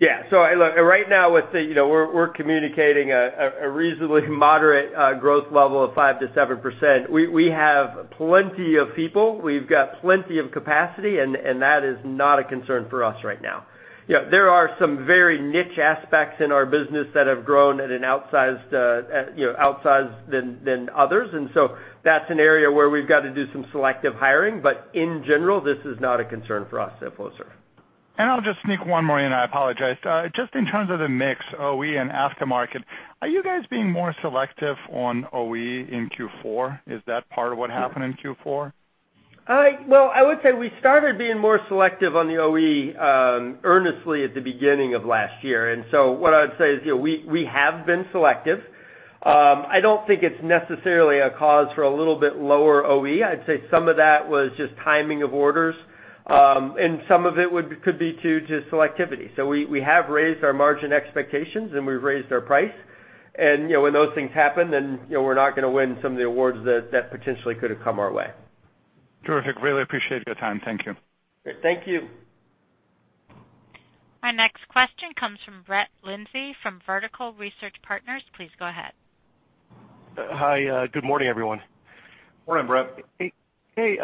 Look, right now, I would say we're communicating a reasonably moderate growth level of 5%-7%. We have plenty of people. We've got plenty of capacity, and that is not a concern for us right now. There are some very niche aspects in our business that have grown at an outsized than others, and so that's an area where we've got to do some selective hiring. In general, this is not a concern for us at Flowserve. I'll just sneak one more in. I apologize. Just in terms of the mix OE and after-market, are you guys being more selective on OE in Q4? Is that part of what happened in Q4? I would say we started being more selective on the OE, earnestly at the beginning of last year. What I would say is we have been selective. I don't think it's necessarily a cause for a little bit lower OE. I'd say some of that was just timing of orders. Some of it could be too, just selectivity. We have raised our margin expectations, and we've raised our price. When those things happen, we're not going to win some of the awards that potentially could have come our way. Terrific. Really appreciate your time. Thank you. Great. Thank you. Our next question comes from Brett Linzey from Vertical Research Partners. Please go ahead. Hi. Good morning, everyone. Morning, Brett. Hey.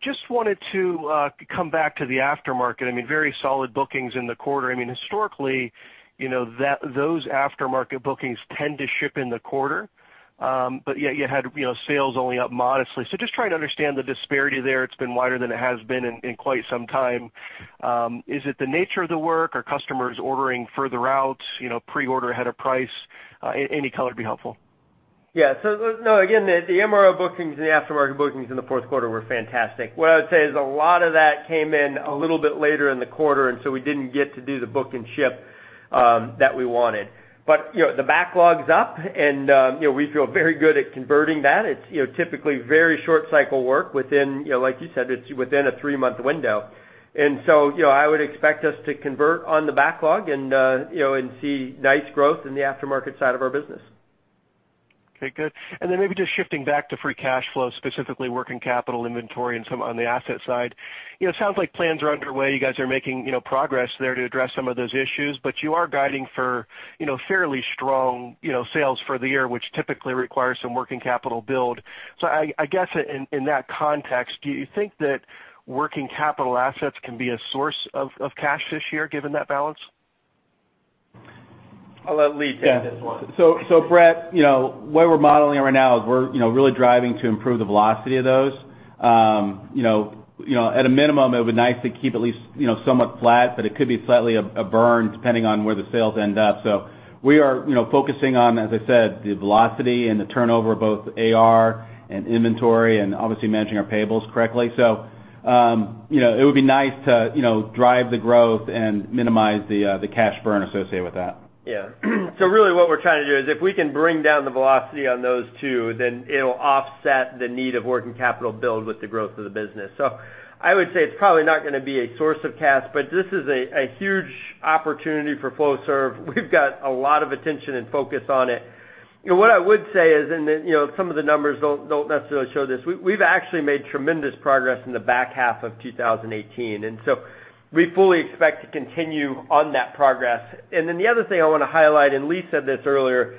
Just wanted to come back to the aftermarket. Very solid bookings in the quarter. Historically, those aftermarket bookings tend to ship in the quarter, but yet you had sales only up modestly. Just trying to understand the disparity there. It has been wider than it has been in quite some time. Is it the nature of the work? Are customers ordering further out, pre-order ahead of price? Any color would be helpful. Yeah. No, again, the MRO bookings and the aftermarket bookings in the fourth quarter were fantastic. What I would say is a lot of that came in a little bit later in the quarter, we didn't get to do the book and ship that we wanted. The backlog is up, and we feel very good at converting that. It is typically very short cycle work within, like you said, it is within a three-month window. I would expect us to convert on the backlog and see nice growth in the aftermarket side of our business. Okay, good. Then maybe just shifting back to free cash flow, specifically working capital inventory on the asset side. It sounds like plans are underway. You guys are making progress there to address some of those issues, you are guiding for fairly strong sales for the year, which typically requires some working capital build. I guess in that context, do you think that working capital assets can be a source of cash this year given that balance? I'll let Lee take this one. Brett, what we're modeling right now is we're really driving to improve the velocity of those. At a minimum, it would be nice to keep at least somewhat flat, but it could be slightly a burn depending on where the sales end up. We are focusing on, as I said, the velocity and the turnover of both AR and inventory and obviously managing our payables correctly. It would be nice to drive the growth and minimize the cash burn associated with that. Really what we're trying to do is if we can bring down the velocity on those two, then it'll offset the need of working capital build with the growth of the business. I would say it's probably not going to be a source of cash, but this is a huge opportunity for Flowserve. We've got a lot of attention and focus on it. What I would say is, and some of the numbers don't necessarily show this. We've actually made tremendous progress in the back half of 2018. We fully expect to continue on that progress. Then the other thing I want to highlight, and Lee said this earlier,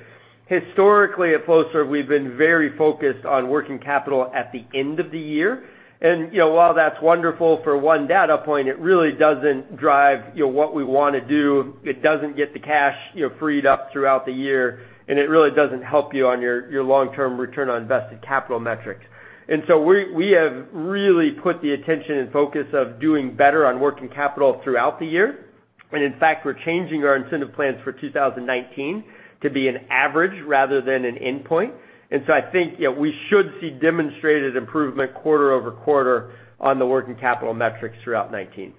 historically at Flowserve, we've been very focused on working capital at the end of the year. While that's wonderful for one data point, it really doesn't drive what we want to do. It doesn't get the cash freed up throughout the year, and it really doesn't help you on your long-term return on invested capital metrics. We have really put the attention and focus of doing better on working capital throughout the year. In fact, we're changing our incentive plans for 2019 to be an average rather than an endpoint. I think we should see demonstrated improvement quarter over quarter on the working capital metrics throughout 2019.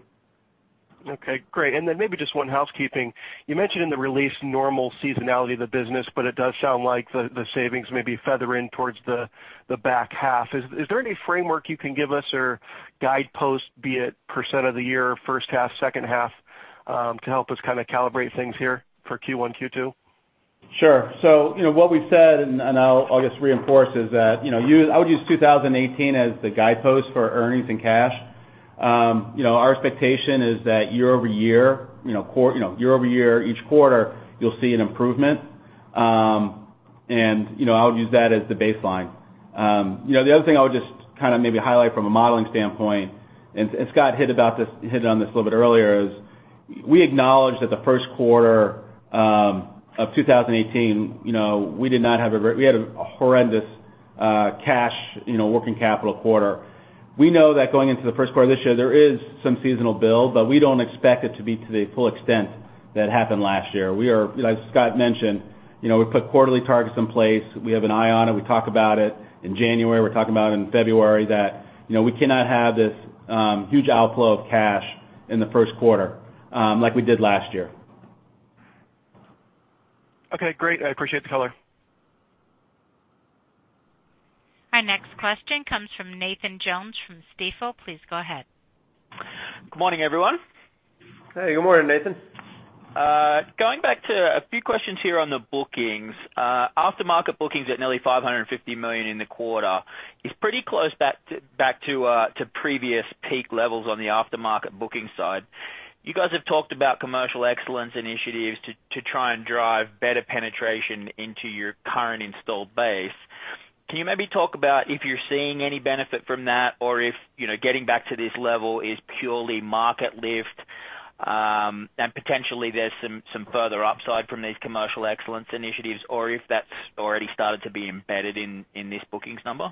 Okay, great. Then maybe just one housekeeping. You mentioned in the release normal seasonality of the business, but it does sound like the savings may be feathering towards the back half. Is there any framework you can give us or guidepost, be it % of the year, first half, second half, to help us kind of calibrate things here for Q1, Q2? Sure. What we've said, and I'll just reinforce, is that I would use 2018 as the guidepost for earnings and cash. Our expectation is that year-over-year, each quarter, you'll see an improvement. I would use that as the baseline. The other thing I would just kind of maybe highlight from a modeling standpoint, Scott hit on this a little bit earlier, is we acknowledge that the first quarter of 2018, we had a horrendous cash working capital quarter. We know that going into the first quarter of this year, there is some seasonal build, but we don't expect it to be to the full extent that happened last year. As Scott mentioned, we put quarterly targets in place. We have an eye on it. We talk about it in January. We're talking about it in February that we cannot have this huge outflow of cash in the first quarter like we did last year. Okay, great. I appreciate the color. Our next question comes from Nathan Jones from Stifel. Please go ahead. Good morning, everyone. Hey, good morning, Nathan. Going back to a few questions here on the bookings. Aftermarket bookings at nearly $550 million in the quarter is pretty close back to previous peak levels on the aftermarket booking side. You guys have talked about commercial excellence initiatives to try and drive better penetration into your current installed base. Can you maybe talk about if you're seeing any benefit from that or if getting back to this level is purely market lift, and potentially there's some further upside from these commercial excellence initiatives, or if that's already started to be embedded in this bookings number?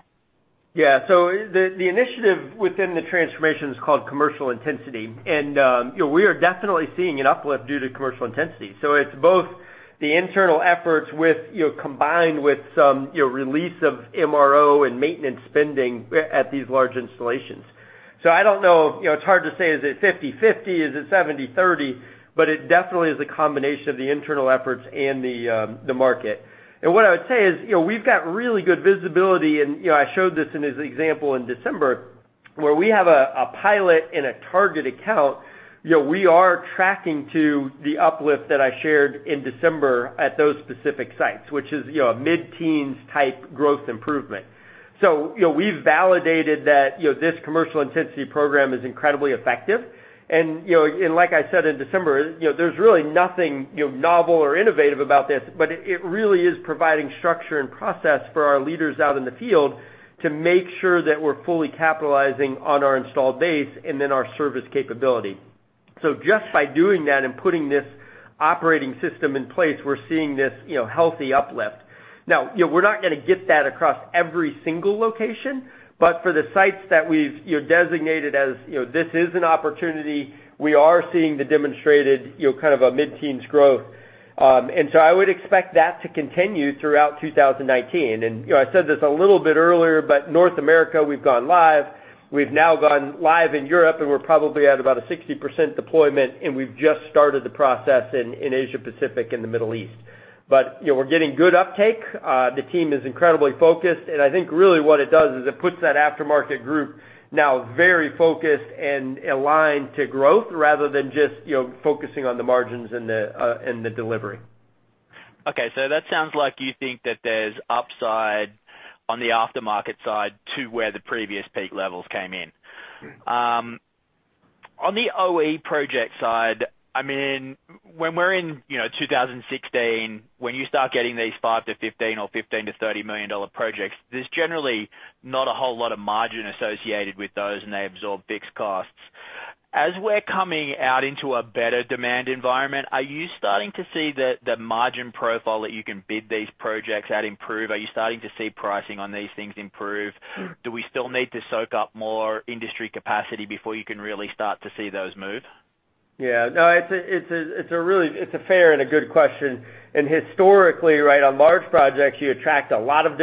The initiative within the transformation is called commercial intensity, and we are definitely seeing an uplift due to commercial intensity. It's both the internal efforts combined with some release of MRO and maintenance spending at these large installations. I don't know, it's hard to say, is it 50/50? Is it 70/30? It definitely is a combination of the internal efforts and the market. What I would say is we've got really good visibility, and I showed this in an example in December, where we have a pilot in a target account. We are tracking to the uplift that I shared in December at those specific sites, which is a mid-teens type growth improvement. We've validated that this commercial intensity program is incredibly effective. Like I said in December, there's really nothing novel or innovative about this, but it really is providing structure and process for our leaders out in the field to make sure that we're fully capitalizing on our installed base and then our service capability. Just by doing that and putting this operating system in place, we're seeing this healthy uplift. We're not going to get that across every single location, but for the sites that we've designated as, this is an opportunity, we are seeing the demonstrated kind of a mid-teens growth. I would expect that to continue throughout 2019. I said this a little bit earlier, but North America, we've gone live. We've now gone live in Europe, and we're probably at about a 60% deployment, and we've just started the process in Asia-Pacific and the Middle East. We're getting good uptake. The team is incredibly focused, I think really what it does is it puts that aftermarket group now very focused and aligned to growth rather than just focusing on the margins and the delivery. That sounds like you think that there's upside on the aftermarket side to where the previous peak levels came in. On the OE project side, when we're in 2016, when you start getting these $5 million-$15 million or $15 million-$30 million projects, there's generally not a whole lot of margin associated with those, and they absorb fixed costs. As we're coming out into a better demand environment, are you starting to see the margin profile that you can bid these projects at improve? Are you starting to see pricing on these things improve? Do we still need to soak up more industry capacity before you can really start to see those move? Yeah. No, it's a fair and a good question. Historically, right on large projects, you attract a lot of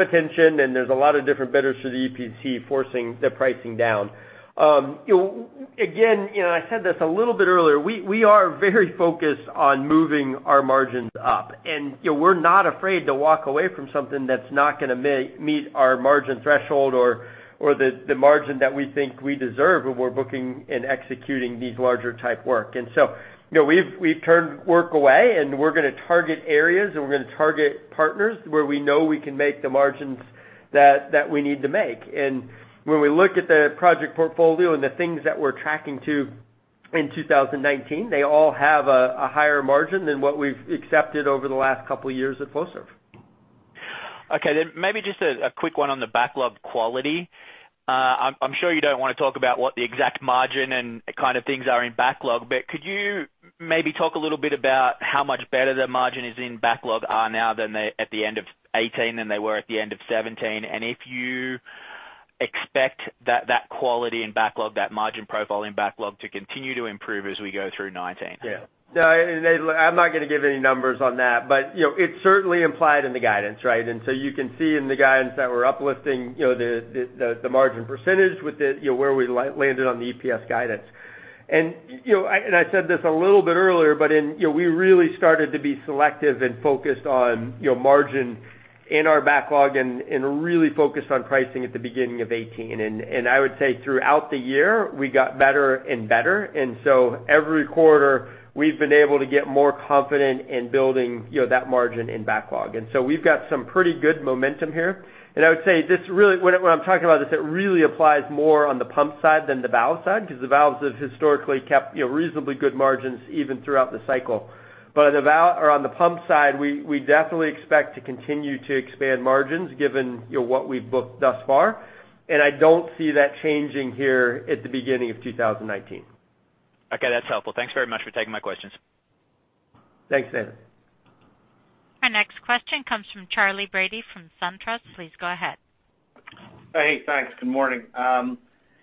attention and there's a lot of different bidders for the EPC forcing the pricing down. Again, I said this a little bit earlier, we are very focused on moving our margins up, and we're not afraid to walk away from something that's not going to meet our margin threshold or the margin that we think we deserve when we're booking and executing these larger type work. We've turned work away, and we're going to target areas, and we're going to target partners where we know we can make the margins that we need to make. When we look at the project portfolio and the things that we're tracking to in 2019, they all have a higher margin than what we've accepted over the last couple of years at Flowserve. Okay, could you maybe just a quick one on the backlog quality. I'm sure you don't want to talk about what the exact margin and kind of things are in backlog, but could you maybe talk a little bit about how much better the margin is in backlog are now than at the end of 2018 than they were at the end of 2017, and if you expect that quality in backlog, that margin profile in backlog to continue to improve as we go through 2019? Yeah. No, I'm not going to give any numbers on that, but it's certainly implied in the guidance, right? So you can see in the guidance that we're uplifting the margin percentage with where we landed on the EPS guidance. I said this a little bit earlier, but we really started to be selective and focused on margin in our backlog and really focused on pricing at the beginning of 2018. I would say throughout the year, we got better and better. So every quarter, we've been able to get more confident in building that margin in backlog. So we've got some pretty good momentum here. I would say, when I'm talking about this, it really applies more on the pump side than the valve side, because the valves have historically kept reasonably good margins even throughout the cycle. On the pump side, we definitely expect to continue to expand margins given what we've booked thus far. I don't see that changing here at the beginning of 2019. Okay, that's helpful. Thanks very much for taking my questions. Thanks, Nathan. Our next question comes from Charlie Brady from SunTrust. Please go ahead. Hey, thanks. Good morning.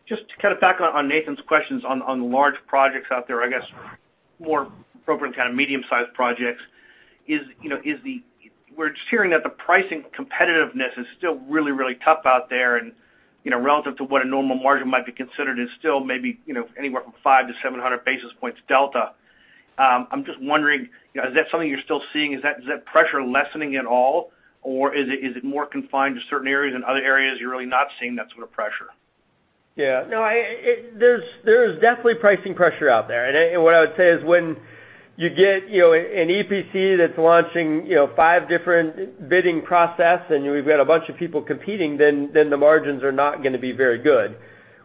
Just to kind of back on Nathan's questions on large projects out there, I guess more appropriate kind of medium-sized projects. We're just hearing that the pricing competitiveness is still really, really tough out there and relative to what a normal margin might be considered is still maybe anywhere from five to 700 basis points delta. I'm just wondering, is that something you're still seeing? Is that pressure lessening at all, or is it more confined to certain areas, and other areas you're really not seeing that sort of pressure? Yeah. There's definitely pricing pressure out there. What I would say is when you get an EPC that's launching five different bidding process and we've got a bunch of people competing, then the margins are not going to be very good.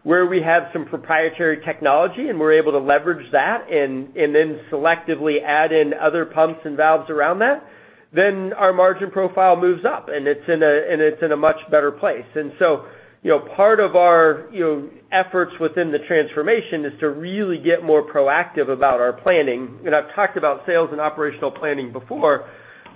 Where we have some proprietary technology and we're able to leverage that and then selectively add in other pumps and valves around that, then our margin profile moves up, and it's in a much better place. Part of our efforts within the transformation is to really get more proactive about our planning. I've talked about sales and operational planning before,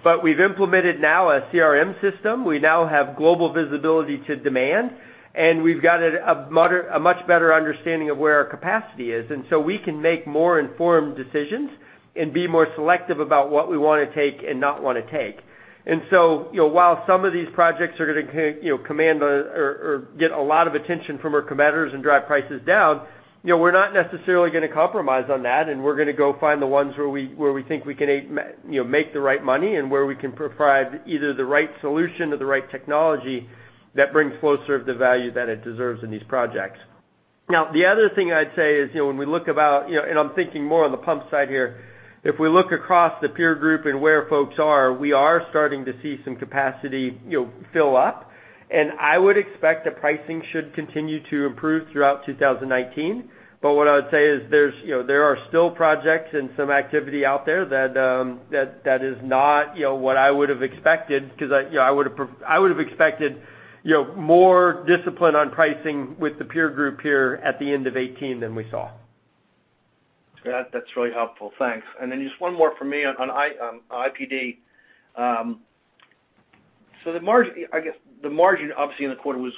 but we've implemented now a CRM system. We now have global visibility to demand, and we've got a much better understanding of where our capacity is. We can make more informed decisions and be more selective about what we want to take and not want to take. While some of these projects are going to command or get a lot of attention from our competitors and drive prices down, we're not necessarily going to compromise on that, and we're going to go find the ones where we think we can make the right money and where we can provide either the right solution or the right technology that brings Flowserve the value that it deserves in these projects. The other thing I'd say is when we look about, and I'm thinking more on the pump side here, if we look across the peer group and where folks are, we are starting to see some capacity fill up. I would expect that pricing should continue to improve throughout 2019. What I would say is there are still projects and some activity out there that is not what I would've expected, because I would've expected more discipline on pricing with the peer group here at the end of 2018 than we saw. That's really helpful, thanks. Then just one more from me on IPD. I guess the margin, obviously, in the quarter was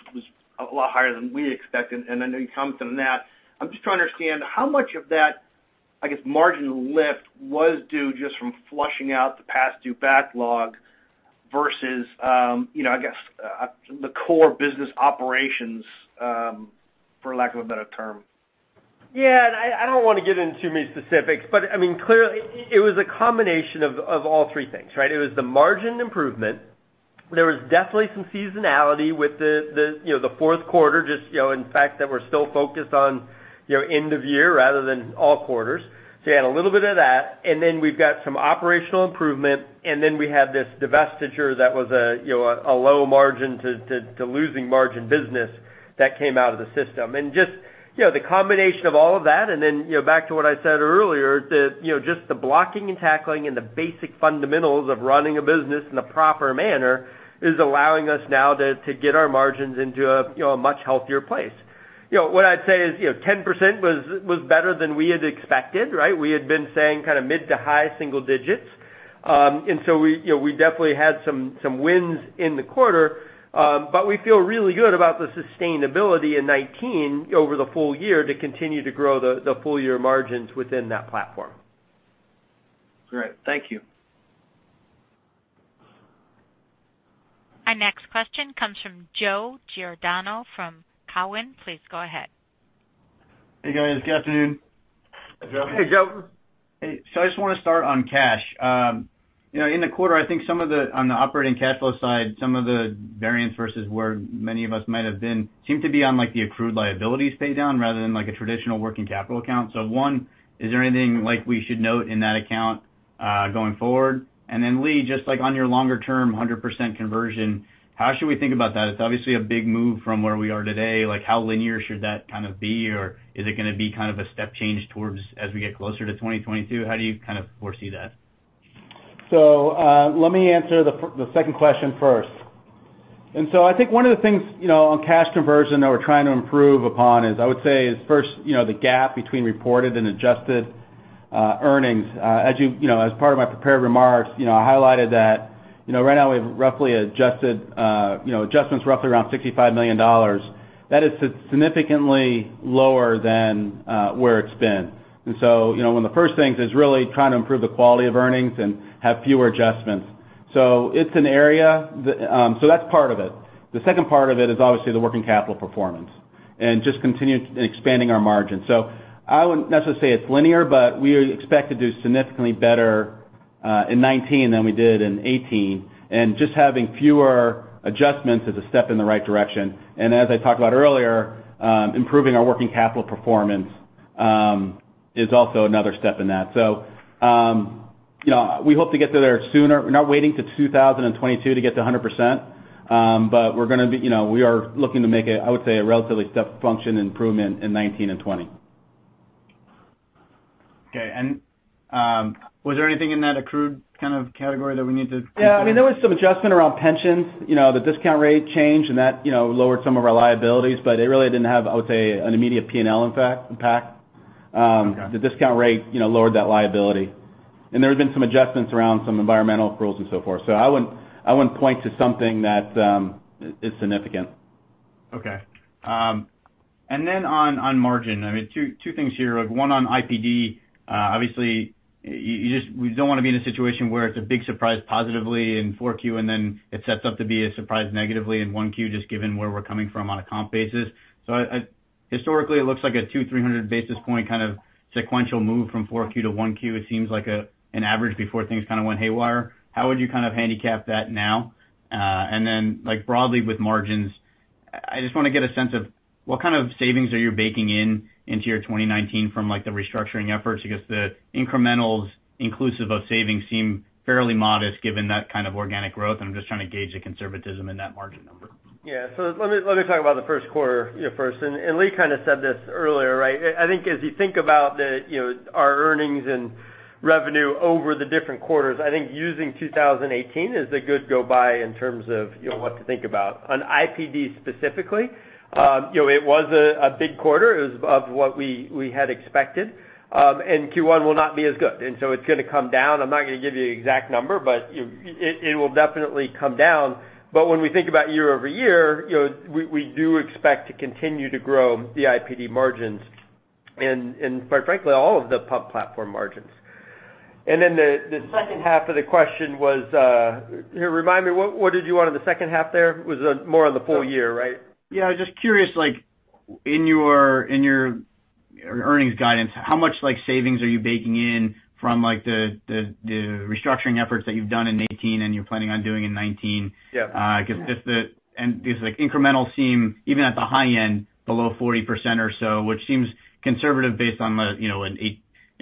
a lot higher than we expected, and I know you commented on that. I'm just trying to understand how much of that, I guess, margin lift was due just from flushing out the past due backlog versus I guess, the core business operations, for lack of a better term. I don't want to get into too many specifics, but clearly, it was a combination of all three things, right? It was the margin improvement. There was definitely some seasonality with the fourth quarter, just in fact, that we're still focused on end of year rather than all quarters. You add a little bit of that, then we've got some operational improvement, then we had this divestiture that was a low margin to losing margin business that came out of the system. Just the combination of all of that then back to what I said earlier, just the blocking and tackling and the basic fundamentals of running a business in a proper manner is allowing us now to get our margins into a much healthier place. What I'd say is 10% was better than we had expected, right? We had been saying kind of mid to high single digits. We definitely had some wins in the quarter. We feel really good about the sustainability in 2019 over the full year to continue to grow the full-year margins within that platform. Great. Thank you. Our next question comes from Joe Giordano from Cowen. Please go ahead. Hey, guys. Good afternoon. Hey, Joe. Hey, Joe. Hey. I just want to start on cash. In the quarter, I think on the operating cash flow side, some of the variance versus where many of us might have been seemed to be on the accrued liabilities pay down rather than a traditional working capital account. One, is there anything we should note in that account going forward? And then Lee, just on your longer term 100% conversion, how should we think about that? It's obviously a big move from where we are today. How linear should that kind of be, or is it going to be a step change towards as we get closer to 2022? How do you kind of foresee that? Let me answer the second question first. I think one of the things on cash conversion that we're trying to improve upon is, I would say, is first the gap between reported and adjusted earnings. As part of my prepared remarks, I highlighted that right now we have adjustments roughly around $65 million. That is significantly lower than where it's been. One of the first things is really trying to improve the quality of earnings and have fewer adjustments. That's part of it. The second part of it is obviously the working capital performance and just continuing expanding our margin. I wouldn't necessarily say it's linear, but we expect to do significantly better in 2019 than we did in 2018, and just having fewer adjustments is a step in the right direction. As I talked about earlier, improving our working capital performance is also another step in that. We hope to get there sooner. We're not waiting to 2022 to get to 100%, but we are looking to make a, I would say, a relatively step function improvement in 2019 and 2020. Okay. Was there anything in that accrued kind of category? There was some adjustment around pensions. The discount rate changed and that lowered some of our liabilities, but it really didn't have, I would say, an immediate P&L impact. Okay. The discount rate lowered that liability. There have been some adjustments around some environmental approvals and so forth. I wouldn't point to something that is significant. Okay. On margin, two things here. One on IPD, obviously, we don't want to be in a situation where it's a big surprise positively in 4Q and then it sets up to be a surprise negatively in 1Q, just given where we're coming from on a comp basis. Historically, it looks like a 200, 300 basis point kind of sequential move from Q4 to Q1. It seems like an average before things kind of went haywire. How would you kind of handicap that now? Broadly with margins, I just want to get a sense of what kind of savings are you baking in into your 2019 from the restructuring efforts? I guess the incrementals inclusive of savings seem fairly modest given that kind of organic growth, and I'm just trying to gauge the conservatism in that margin number. Yeah. Let me talk about the first quarter first, Lee kind of said this earlier, right? I think as you think about our earnings and revenue over the different quarters, I think using 2018 is a good go by in terms of what to think about. On IPD specifically, it was a big quarter. It was above what we had expected. Q1 will not be as good. It's going to come down. I'm not going to give you an exact number, but it will definitely come down. When we think about year-over-year, we do expect to continue to grow the IPD margins, and quite frankly, all of the pump platform margins. The second half of the question was Remind me, what did you want on the second half there? It was more on the full year, right? Yeah, I was just curious, in your earnings guidance. How much savings are you baking in from the restructuring efforts that you've done in 2018 and you're planning on doing in 2019? Yeah. The incrementals seem, even at the high end, below 40% or so, which seems conservative based on the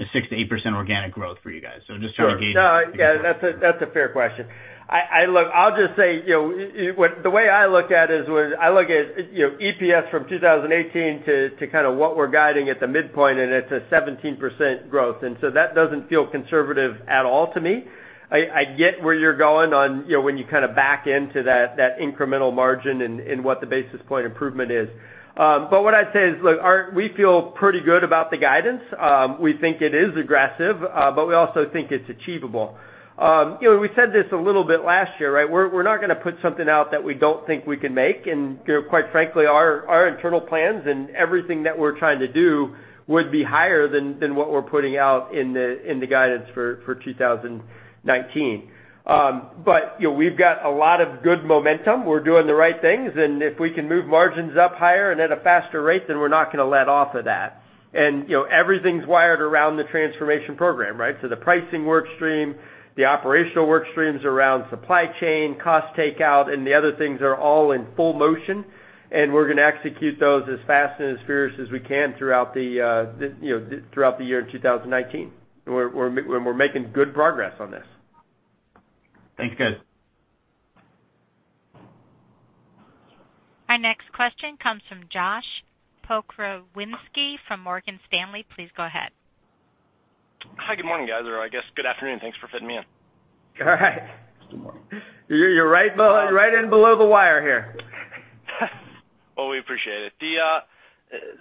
6%-8% organic growth for you guys. Just trying to gauge- Sure. Yeah, that's a fair question. Look, I'll just say, the way I look at it is, I look at EPS from 2018 to what we're guiding at the midpoint, and it's a 17% growth. That doesn't feel conservative at all to me. I get where you're going on when you back into that incremental margin and what the basis point improvement is. What I'd say is, look, we feel pretty good about the guidance. We think it is aggressive, but we also think it's achievable. We said this a little bit last year, right? We're not going to put something out that we don't think we can make, and quite frankly, our internal plans and everything that we're trying to do would be higher than what we're putting out in the guidance for 2019. We've got a lot of good momentum. We're doing the right things. If we can move margins up higher and at a faster rate, then we're not going to let off of that. Everything's wired around the transformation program, right? The pricing work stream, the operational work streams around supply chain, cost takeout, and the other things are all in full motion, and we're going to execute those as fast and as fierce as we can throughout the year in 2019, and we're making good progress on this. Thanks, guys. Our next question comes from Josh Pokrzywinski from Morgan Stanley. Please go ahead. Hi, good morning, guys, or I guess good afternoon. Thanks for fitting me in. All right. Good morning. You're right in below the wire here. Well, we appreciate it.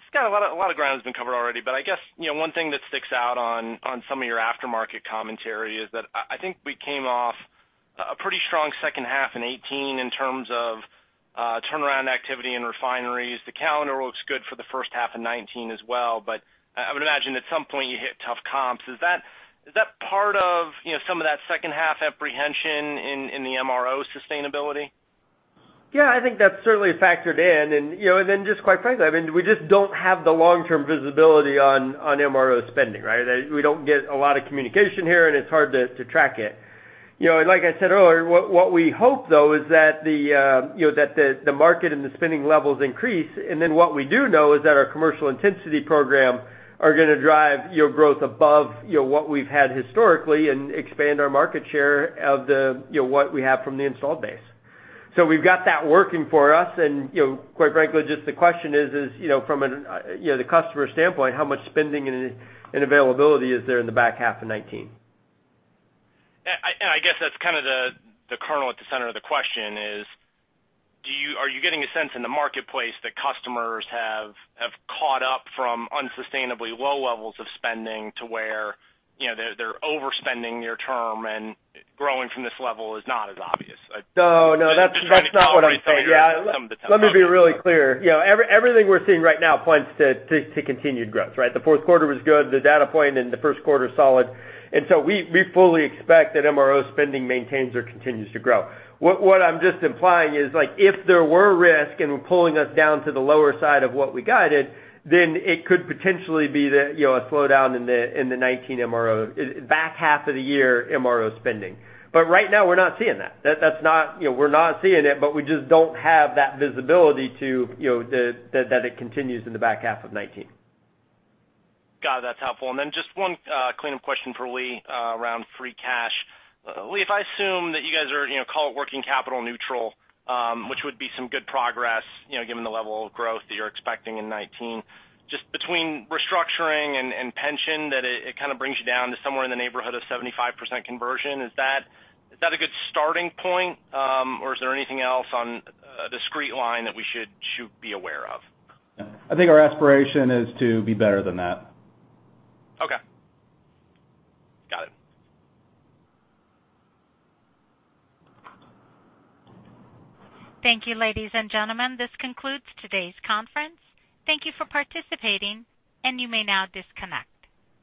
Scott, a lot of ground has been covered already, but I guess one thing that sticks out on some of your aftermarket commentary is that I think we came off a pretty strong second half in 2018 in terms of turnaround activity in refineries. The calendar looks good for the first half of 2019 as well, but I would imagine at some point you hit tough comps. Is that part of some of that second half apprehension in the MRO sustainability? Yeah, I think that's certainly factored in. Just quite frankly, we just don't have the long-term visibility on MRO spending, right? We don't get a lot of communication here, and it's hard to track it. Like I said earlier, what we hope, though, is that the market and the spending levels increase. What we do know is that our commercial intensity program are going to drive growth above what we've had historically and expand our market share of what we have from the install base. We've got that working for us, and quite frankly, just the question is from the customer standpoint, how much spending and availability is there in the back half of 2019. I guess that's kind of the kernel at the center of the question is, are you getting a sense in the marketplace that customers have caught up from unsustainably low levels of spending to where they're overspending near term and growing from this level is not as obvious? No, that's not what I'm saying. Just trying to calibrate some of the. Yeah. Let me be really clear. Everything we're seeing right now points to continued growth, right? The fourth quarter was good, the data point in the first quarter, solid. We fully expect that MRO spending maintains or continues to grow. What I'm just implying is if there were risk and we're pulling us down to the lower side of what we guided, then it could potentially be a slowdown in the 2019 MRO, back half of the year MRO spending. Right now, we're not seeing that. We're not seeing it, but we just don't have that visibility that it continues in the back half of 2019. Got it. That's helpful. Just one cleanup question for Lee around free cash. Lee, if I assume that you guys are, call it working capital neutral, which would be some good progress given the level of growth that you're expecting in 2019, just between restructuring and pension, that it kind of brings you down to somewhere in the neighborhood of 75% conversion. Is that a good starting point, or is there anything else on a discrete line that we should be aware of? I think our aspiration is to be better than that. Okay. Got it. Thank you, ladies and gentlemen. This concludes today's conference. Thank you for participating, and you may now disconnect.